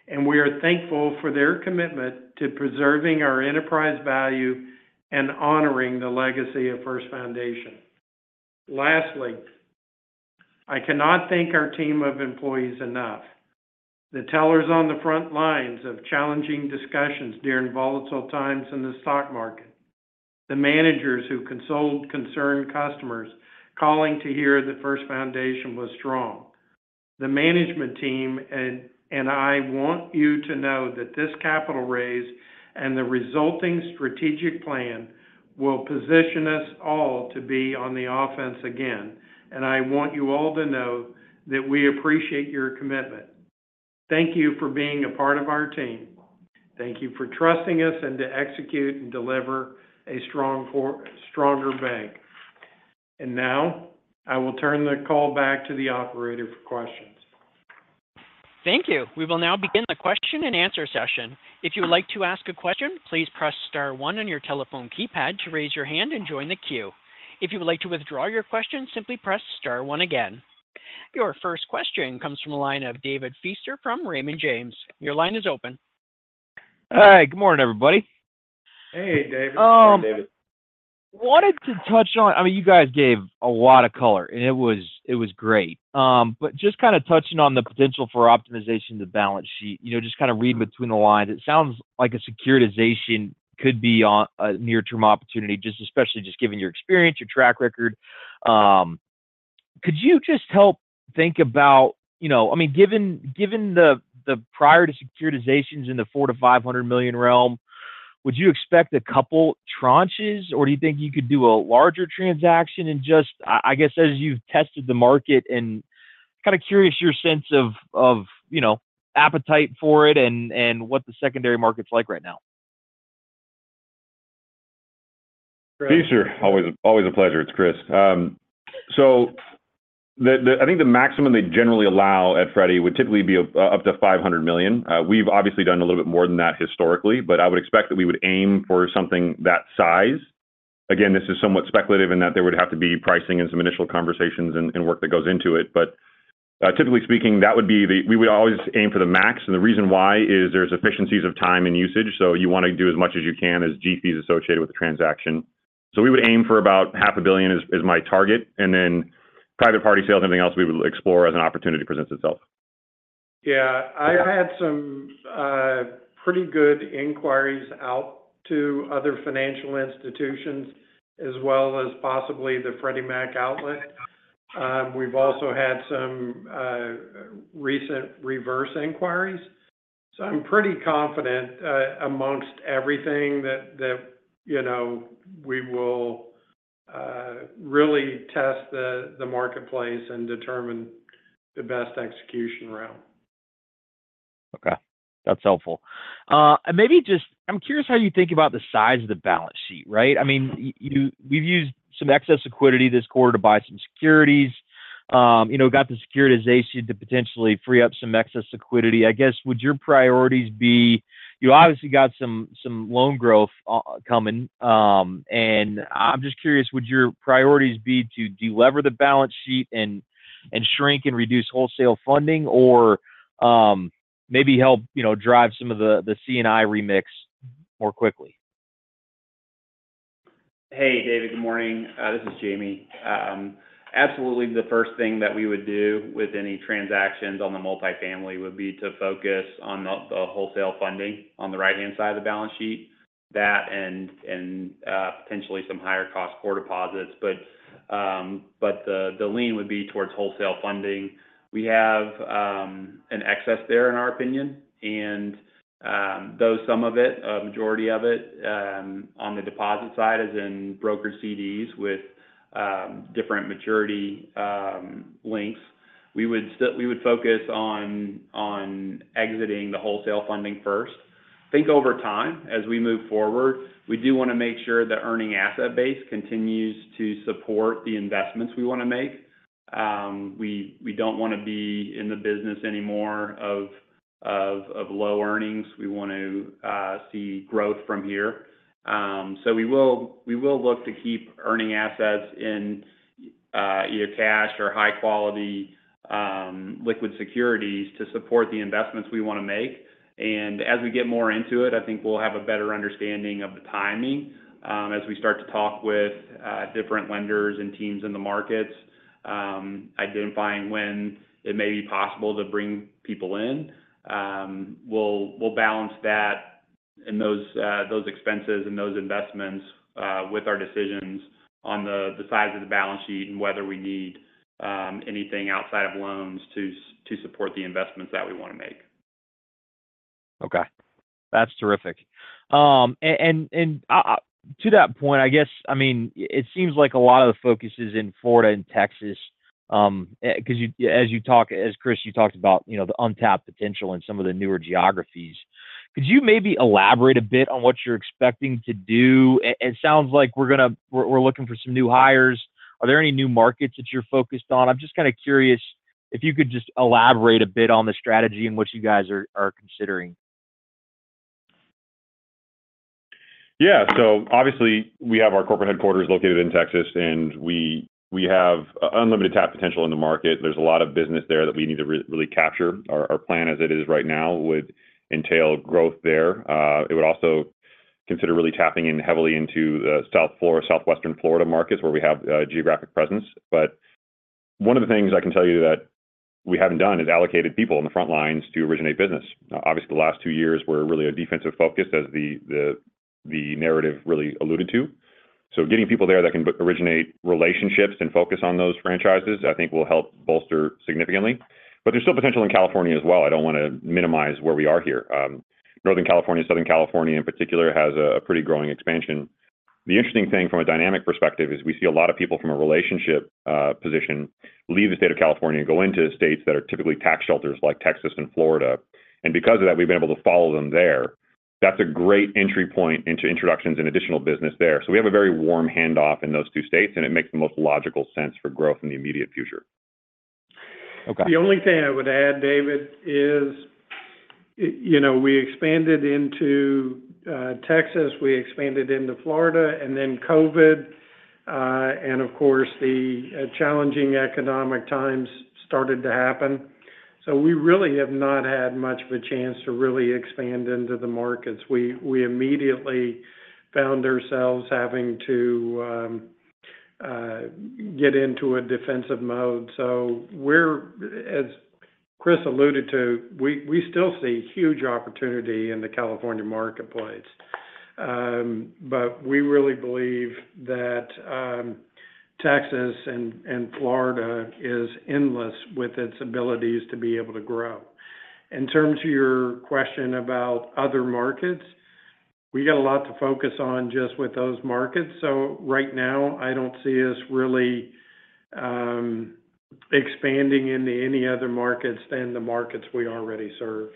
Speaker 2: and we are thankful for their commitment to preserving our enterprise value and honoring the legacy of First Foundation. Lastly, I cannot thank our team of employees enough. The tellers on the front lines of challenging discussions during volatile times in the stock market, the managers who consoled concerned customers calling to hear that First Foundation was strong, the management team, and I want you to know that this capital raise and the resulting strategic plan will position us all to be on the offense again, and I want you all to know that we appreciate your commitment. Thank you for being a part of our team. Thank you for trusting us and to execute and deliver a stronger bank. Now, I will turn the call back to the operator for questions.
Speaker 1: Thank you. We will now begin the question and answer session. If you would like to ask a question, please press star one on your telephone keypad to raise your hand and join the queue. If you would like to withdraw your question, simply press star one again. Your first question comes from the line of David Feaster from Raymond James. Your line is open.
Speaker 5: Hi. Good morning, everybody.
Speaker 2: Hey, David.
Speaker 4: Hey, David.
Speaker 5: Wanted to touch on, I mean, you guys gave a lot of color, and it was great. But just kind of touching on the potential for optimization of the balance sheet, just kind of reading between the lines, it sounds like a securitization could be a near-term opportunity, especially just given your experience, your track record. Could you just help think about, I mean, given the prior to securitizations in the $400 million-$500 million realm, would you expect a couple tranches, or do you think you could do a larger transaction and just, I guess, as you've tested the market and kind of curious your sense of appetite for it and what the secondary market's like right now?
Speaker 4: Feaster. Always a pleasure. It's Chris. So I think the maximum they generally allow at Freddie Mac would typically be up to $500 million. We've obviously done a little bit more than that historically, but I would expect that we would aim for something that size. Again, this is somewhat speculative in that there would have to be pricing and some initial conversations and work that goes into it. But typically speaking, that would be the we would always aim for the max. And the reason why is there's efficiencies of time and usage, so you want to do as much as you can as G-fees associated with the transaction. So we would aim for about $500 million is my target. And then private party sales and everything else we would explore as an opportunity presents itself.
Speaker 2: Yeah. I had some pretty good inquiries out to other financial institutions as well as possibly the Freddie Mac outlet. We've also had some recent reverse inquiries. So I'm pretty confident amongst everything that we will really test the marketplace and determine the best execution route.
Speaker 5: Okay. That's helpful. And maybe just, I'm curious how you think about the size of the balance sheet, right? I mean, we've used some excess liquidity this quarter to buy some securities, got the securitization to potentially free up some excess liquidity. I guess, would your priorities be? You obviously got some loan growth coming, and I'm just curious, would your priorities be to deliver the balance sheet and shrink and reduce wholesale funding, or maybe help drive some of the C&I remix more quickly?
Speaker 3: Hey, David. Good morning. This is Jamie. Absolutely, the first thing that we would do with any transactions on the multifamily would be to focus on the wholesale funding on the right-hand side of the balance sheet, that and potentially some higher-cost core deposits. But the lean would be towards wholesale funding. We have an excess there in our opinion, and though some of it, a majority of it on the deposit side as in broker CDs with different maturity lengths, we would focus on exiting the wholesale funding first. I think over time, as we move forward, we do want to make sure the earning asset base continues to support the investments we want to make. We don't want to be in the business anymore of low earnings. We want to see growth from here. We will look to keep earning assets in either cash or high-quality liquid securities to support the investments we want to make. As we get more into it, I think we'll have a better understanding of the timing as we start to talk with different lenders and teams in the markets, identifying when it may be possible to bring people in. We'll balance that and those expenses and those investments with our decisions on the size of the balance sheet and whether we need anything outside of loans to support the investments that we want to make.
Speaker 5: Okay. That's terrific. And to that point, I guess, I mean, it seems like a lot of the focus is in Florida and Texas because as you talk, as Chris, you talked about the untapped potential in some of the newer geographies. Could you maybe elaborate a bit on what you're expecting to do? It sounds like we're looking for some new hires. Are there any new markets that you're focused on? I'm just kind of curious if you could just elaborate a bit on the strategy and what you guys are considering.
Speaker 4: Yeah. So obviously, we have our corporate headquarters located in Texas, and we have unlimited tap potential in the market. There's a lot of business there that we need to really capture. Our plan as it is right now would entail growth there. It would also consider really tapping in heavily into the South Florida, Southwestern Florida markets where we have geographic presence. But one of the things I can tell you that we haven't done is allocated people on the front lines to originate business. Obviously, the last two years were really a defensive focus, as the narrative really alluded to. So getting people there that can originate relationships and focus on those franchises, I think, will help bolster significantly. But there's still potential in California as well. I don't want to minimize where we are here. Northern California, Southern California in particular, has a pretty growing expansion. The interesting thing from a dynamic perspective is we see a lot of people from a relationship position leave the state of California and go into states that are typically tax shelters like Texas and Florida. Because of that, we've been able to follow them there. That's a great entry point into introductions and additional business there. We have a very warm handoff in those two states, and it makes the most logical sense for growth in the immediate future.
Speaker 2: The only thing I would add, David, is we expanded into Texas, we expanded into Florida, and then COVID, and of course, the challenging economic times started to happen. So we really have not had much of a chance to really expand into the markets. We immediately found ourselves having to get into a defensive mode. So as Chris alluded to, we still see huge opportunity in the California marketplace. But we really believe that Texas and Florida is endless with its abilities to be able to grow. In terms of your question about other markets, we got a lot to focus on just with those markets. So right now, I don't see us really expanding into any other markets than the markets we already serve.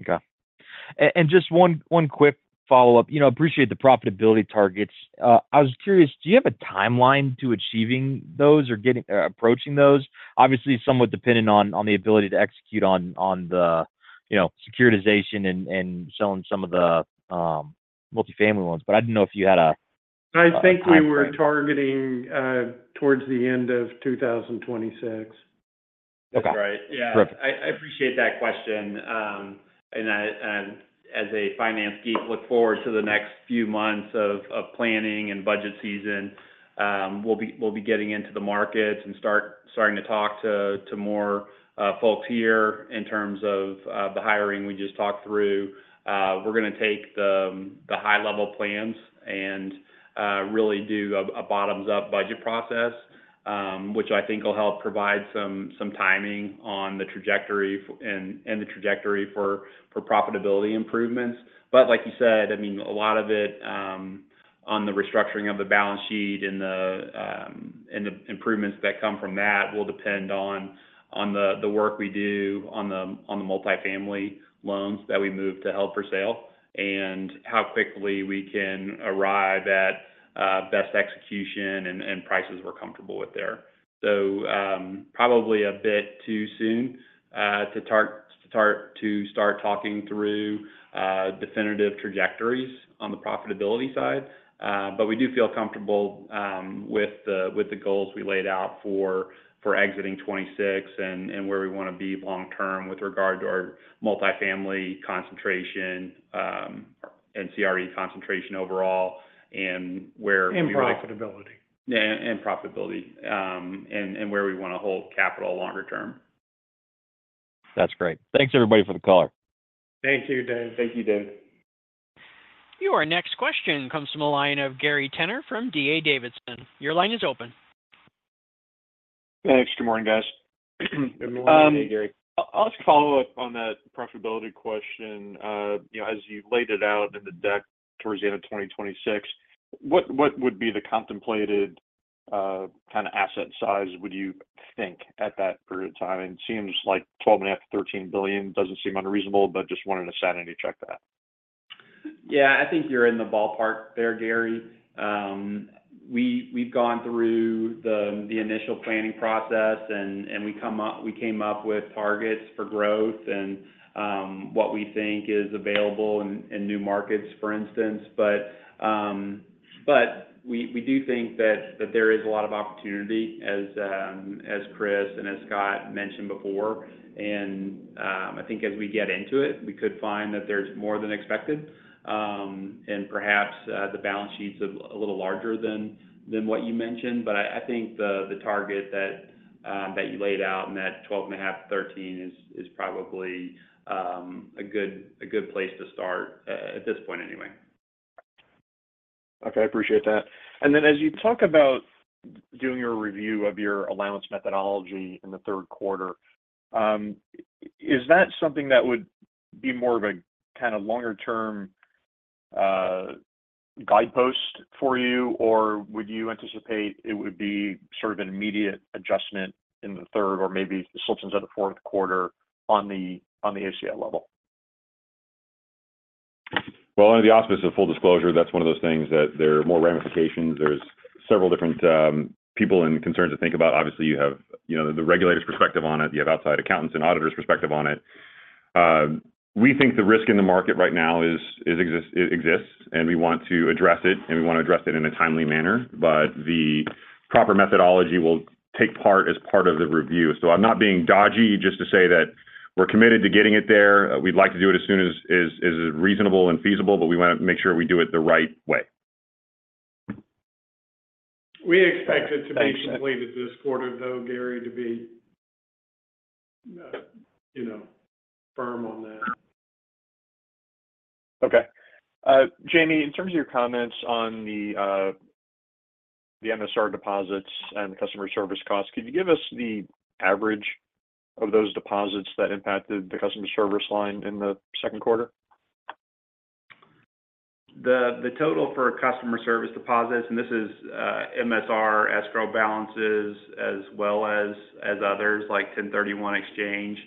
Speaker 5: Okay. And just one quick follow-up. I appreciate the profitability targets. I was curious, do you have a timeline to achieving those or approaching those? Obviously, somewhat dependent on the ability to execute on the securitization and selling some of the multifamily ones. But I didn't know if you had a.
Speaker 2: I think we were targeting towards the end of 2026.
Speaker 4: Okay. Perfect.
Speaker 3: I appreciate that question. And as a finance geek, look forward to the next few months of planning and budget season. We'll be getting into the markets and starting to talk to more folks here in terms of the hiring we just talked through. We're going to take the high-level plans and really do a bottoms-up budget process, which I think will help provide some timing on the trajectory and the trajectory for profitability improvements. But like you said, I mean, a lot of it on the restructuring of the balance sheet and the improvements that come from that will depend on the work we do on the multifamily loans that we move to held-for-sale and how quickly we can arrive at best execution and prices we're comfortable with there. So probably a bit too soon to start talking through definitive trajectories on the profitability side. But we do feel comfortable with the goals we laid out for exiting 2026 and where we want to be long-term with regard to our multifamily concentration and CRE concentration overall and where.
Speaker 2: And profitability.
Speaker 3: Profitability and where we want to hold capital longer term.
Speaker 5: That's great. Thanks, everybody, for the color.
Speaker 3: Thank you, David.
Speaker 2: Thank you, David.
Speaker 1: Your next question comes from a line of Gary Tenner from D.A. Davidson. Your line is open.
Speaker 6: Thanks. Good morning, guys.
Speaker 2: Good morning, Gary.
Speaker 6: I'll just follow up on that profitability question. As you laid it out in the deck towards the end of 2026, what would be the contemplated kind of asset size would you think at that period of time? It seems like $12.5 billion-$13 billion doesn't seem unreasonable, but just wanted to sit in to check that.
Speaker 3: Yeah. I think you're in the ballpark there, Gary. We've gone through the initial planning process, and we came up with targets for growth and what we think is available in new markets, for instance. But we do think that there is a lot of opportunity, as Chris and as Scott mentioned before. And I think as we get into it, we could find that there's more than expected, and perhaps the balance sheets are a little larger than what you mentioned. But I think the target that you laid out in that $12.5 billion-$13 billion is probably a good place to start at this point anyway.
Speaker 6: Okay. I appreciate that. And then as you talk about doing your review of your allowance methodology in the third quarter, is that something that would be more of a kind of longer-term guidepost for you, or would you anticipate it would be sort of an immediate adjustment in the third or maybe the second half of the fourth quarter on the ACL level?
Speaker 4: Well, under the auspices of full disclosure, that's one of those things that there are more ramifications. There's several different people and concerns to think about. Obviously, you have the regulator's perspective on it. You have outside accountants and auditors' perspective on it. We think the risk in the market right now exists, and we want to address it, and we want to address it in a timely manner. But the proper methodology will take part as part of the review. So I'm not being dodgy just to say that we're committed to getting it there. We'd like to do it as soon as is reasonable and feasible, but we want to make sure we do it the right way.
Speaker 2: We expect it to be completed this quarter, though, Gary, to be firm on that.
Speaker 6: Okay. Jamie, in terms of your comments on the MSR deposits and customer service costs, could you give us the average of those deposits that impacted the customer service line in the second quarter?
Speaker 3: The total for customer service deposits, and this is MSR escrow balances as well as others like 1031 Exchange,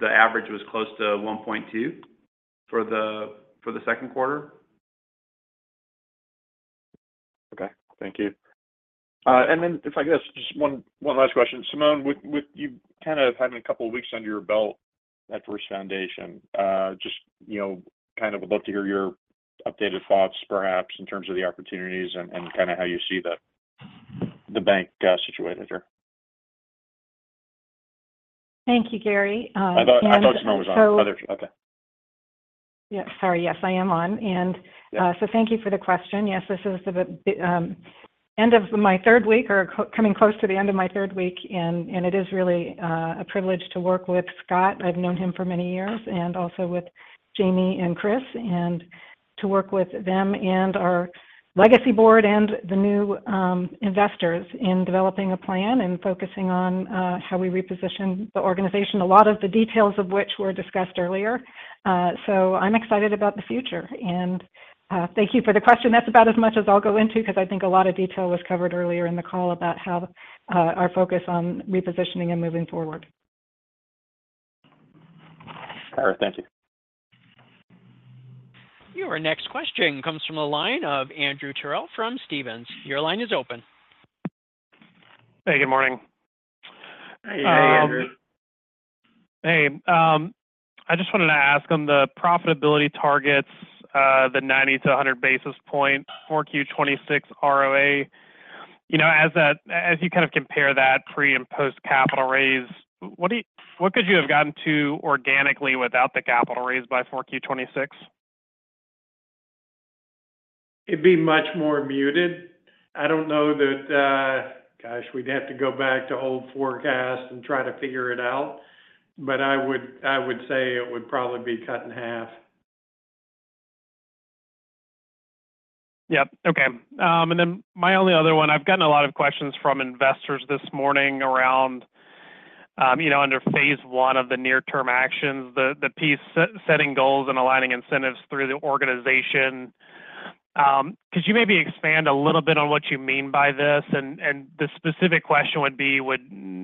Speaker 3: the average was close to $1.2 million for the second quarter.
Speaker 6: Okay. Thank you. Then if I could ask just one last question. Simone, you kind of had a couple of weeks under your belt at First Foundation. Just kind of would love to hear your updated thoughts, perhaps, in terms of the opportunities and kind of how you see the bank situated here.
Speaker 7: Thank you, Gary.
Speaker 6: I thought Simone was on. Okay.
Speaker 7: Yeah. Sorry. Yes, I am on. And so thank you for the question. Yes, this is the end of my third week or coming close to the end of my third week, and it is really a privilege to work with Scott. I've known him for many years, and also with Jamie and Chris, and to work with them and our legacy board and the new investors in developing a plan and focusing on how we reposition the organization, a lot of the details of which were discussed earlier. So I'm excited about the future. And thank you for the question. That's about as much as I'll go into because I think a lot of detail was covered earlier in the call about our focus on repositioning and moving forward.
Speaker 6: All right. Thank you.
Speaker 1: Your next question comes from a line of Andrew Terrell from Stephens. Your line is open.
Speaker 8: Hey, good morning.
Speaker 6: Hey, Andrew.
Speaker 8: Hey, Andrew. Hey. I just wanted to ask on the profitability targets, the 90-100 basis point, 4Q 2026 ROA. As you kind of compare that pre- and post-capital raise, what could you have gotten to organically without the capital raise by 4Q 2026?
Speaker 3: It'd be much more muted. I don't know that, gosh, we'd have to go back to old forecasts and try to figure it out. I would say it would probably be cut in half.
Speaker 8: Yep. Okay. And then my only other one, I've gotten a lot of questions from investors this morning around under phase one of the near-term actions, the piece setting goals and aligning incentives through the organization. Could you maybe expand a little bit on what you mean by this? And the specific question would be,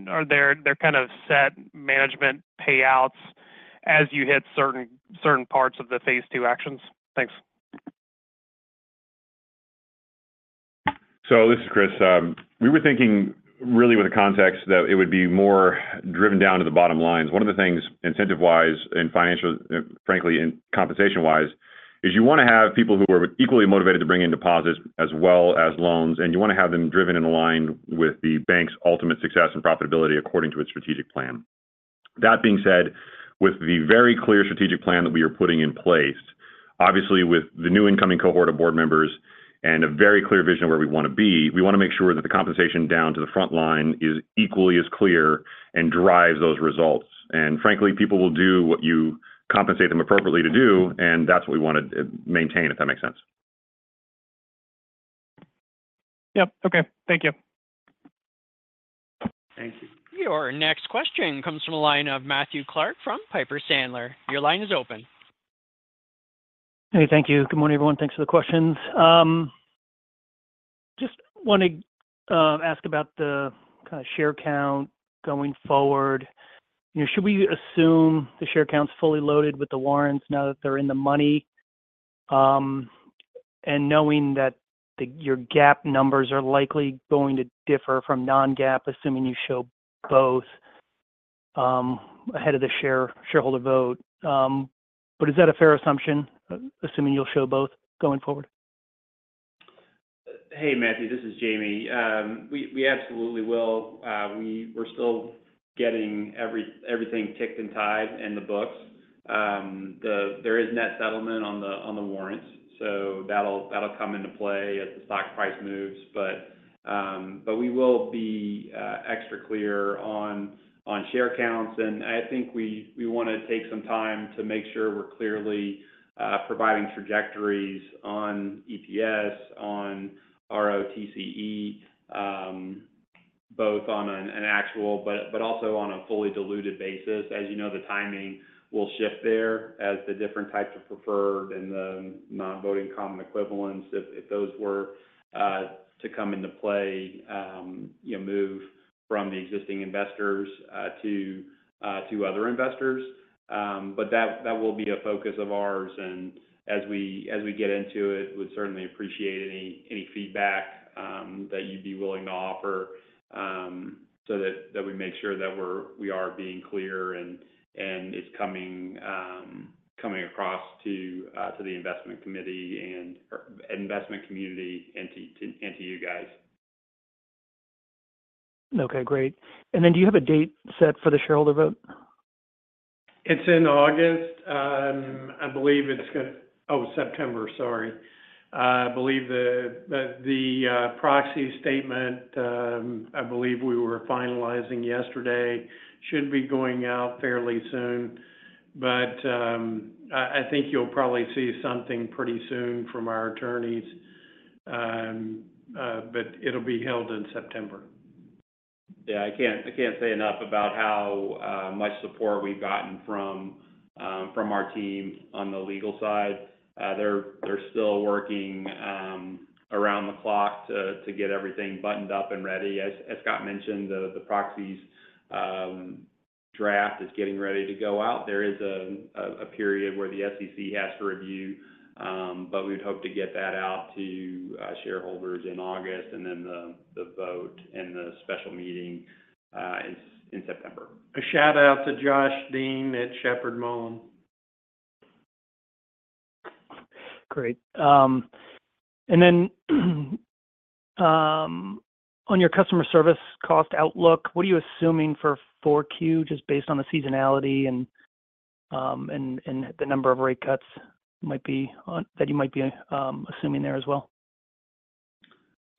Speaker 8: are there kind of set management payouts as you hit certain parts of the phase two actions? Thanks.
Speaker 4: So this is Chris. We were thinking really with the context that it would be more driven down to the bottom lines. One of the things incentive-wise and financially, frankly, and compensation-wise is you want to have people who are equally motivated to bring in deposits as well as loans, and you want to have them driven in line with the bank's ultimate success and profitability according to its strategic plan. That being said, with the very clear strategic plan that we are putting in place, obviously, with the new incoming cohort of board members and a very clear vision of where we want to be, we want to make sure that the compensation down to the front line is equally as clear and drives those results. Frankly, people will do what you compensate them appropriately to do, and that's what we want to maintain, if that makes sense.
Speaker 8: Yep. Okay. Thank you.
Speaker 3: Thank you.
Speaker 4: Your next question comes from a line of Matthew Clark from Piper Sandler. Your line is open.
Speaker 9: Hey, thank you. Good morning, everyone. Thanks for the questions. Just want to ask about the kind of share count going forward. Should we assume the share count's fully loaded with the warrants now that they're in the money? And knowing that your GAAP numbers are likely going to differ from non-GAAP, assuming you show both ahead of the shareholder vote. But is that a fair assumption, assuming you'll show both going forward?
Speaker 3: Hey, Matthew. This is Jamie. We absolutely will. We're still getting everything ticked and tied in the books. There is net settlement on the warrants, so that'll come into play as the stock price moves. But we will be extra clear on share counts. And I think we want to take some time to make sure we're clearly providing trajectories on EPS, on ROTCE, both on an actual but also on a fully diluted basis. As you know, the timing will shift there as the different types of preferred and the non-voting common equivalents, if those were to come into play, move from the existing investors to other investors. But that will be a focus of ours. As we get into it, we'd certainly appreciate any feedback that you'd be willing to offer so that we make sure that we are being clear and it's coming across to the investment committee and investment community and to you guys.
Speaker 9: Okay. Great. And then do you have a date set for the shareholder vote?
Speaker 2: It's in August. I believe it's going to September. Sorry. I believe the proxy statement, I believe we were finalizing yesterday, should be going out fairly soon. But I think you'll probably see something pretty soon from our attorneys, but it'll be held in September.
Speaker 3: Yeah. I can't say enough about how much support we've gotten from our team on the legal side. They're still working around the clock to get everything buttoned up and ready. As Scott mentioned, the proxies draft is getting ready to go out. There is a period where the SEC has to review, but we would hope to get that out to shareholders in August, and then the vote and the special meeting is in September.
Speaker 2: A shout-out to Josh Dean at Sheppard Mullin.
Speaker 9: Great. And then on your customer service cost outlook, what are you assuming for 4Q just based on the seasonality and the number of rate cuts that you might be assuming there as well?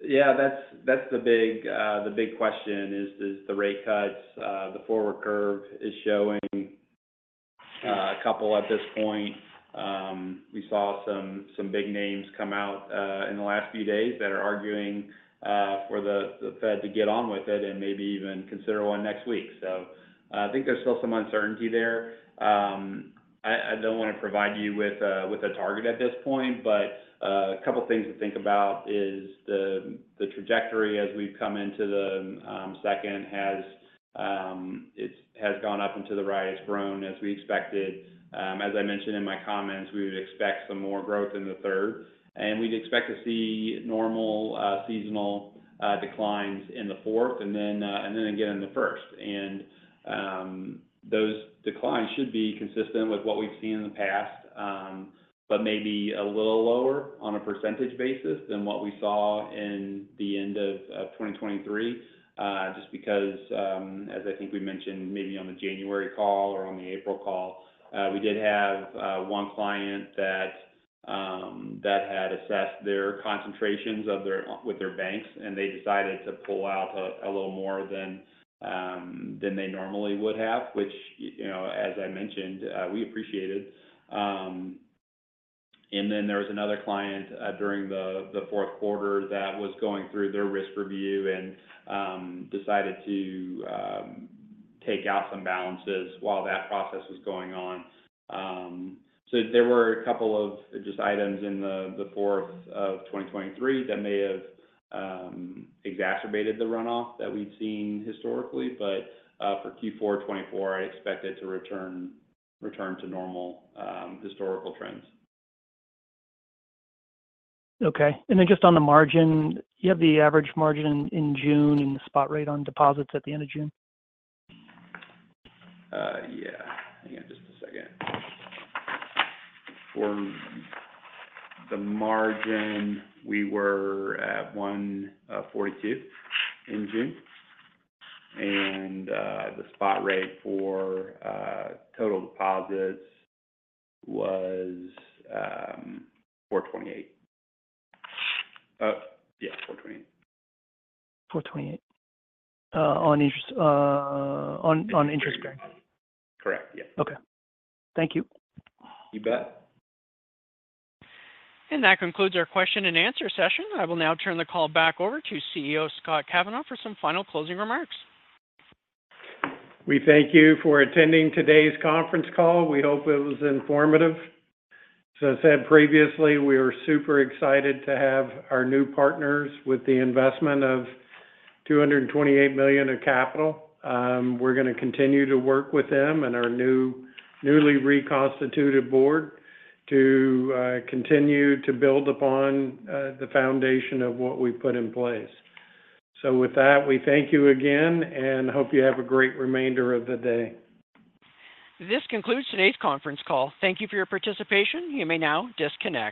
Speaker 3: Yeah. That's the big question is the rate cuts. The forward curve is showing a couple at this point. We saw some big names come out in the last few days that are arguing for the Fed to get on with it and maybe even consider one next week. So I think there's still some uncertainty there. I don't want to provide you with a target at this point, but a couple of things to think about is the trajectory as we've come into the second has gone up into the right. It's grown as we expected. As I mentioned in my comments, we would expect some more growth in the third. And we'd expect to see normal seasonal declines in the fourth and then again in the first. Those declines should be consistent with what we've seen in the past, but maybe a little lower on a percentage basis than what we saw in the end of 2023, just because, as I think we mentioned, maybe on the January call or on the April call, we did have one client that had assessed their concentrations with their banks, and they decided to pull out a little more than they normally would have, which, as I mentioned, we appreciated. And then there was another client during the fourth quarter that was going through their risk review and decided to take out some balances while that process was going on. So there were a couple of just items in the fourth of 2023 that may have exacerbated the runoff that we'd seen historically. But for Q4 2024, I expect it to return to normal historical trends.
Speaker 9: Okay. And then just on the margin, you have the average margin in June and the spot rate on deposits at the end of June?
Speaker 3: Yeah. Hang on just a second. For the margin, we were at 1.42 in June. And the spot rate for total deposits was 4.28. Yeah, 4.28.
Speaker 9: 4.28 on interest bearing?
Speaker 3: Correct. Yes.
Speaker 9: Okay. Thank you.
Speaker 3: You bet.
Speaker 4: That concludes our question and answer session. I will now turn the call back over to CEO Scott Kavanaugh for some final closing remarks.
Speaker 2: We thank you for attending today's conference call. We hope it was informative. As I said previously, we are super excited to have our new partners with the investment of $228 million of capital. We're going to continue to work with them and our newly reconstituted board to continue to build upon the foundation of what we've put in place. So with that, we thank you again and hope you have a great remainder of the day.
Speaker 1: This concludes today's conference call. Thank you for your participation. You may now disconnect.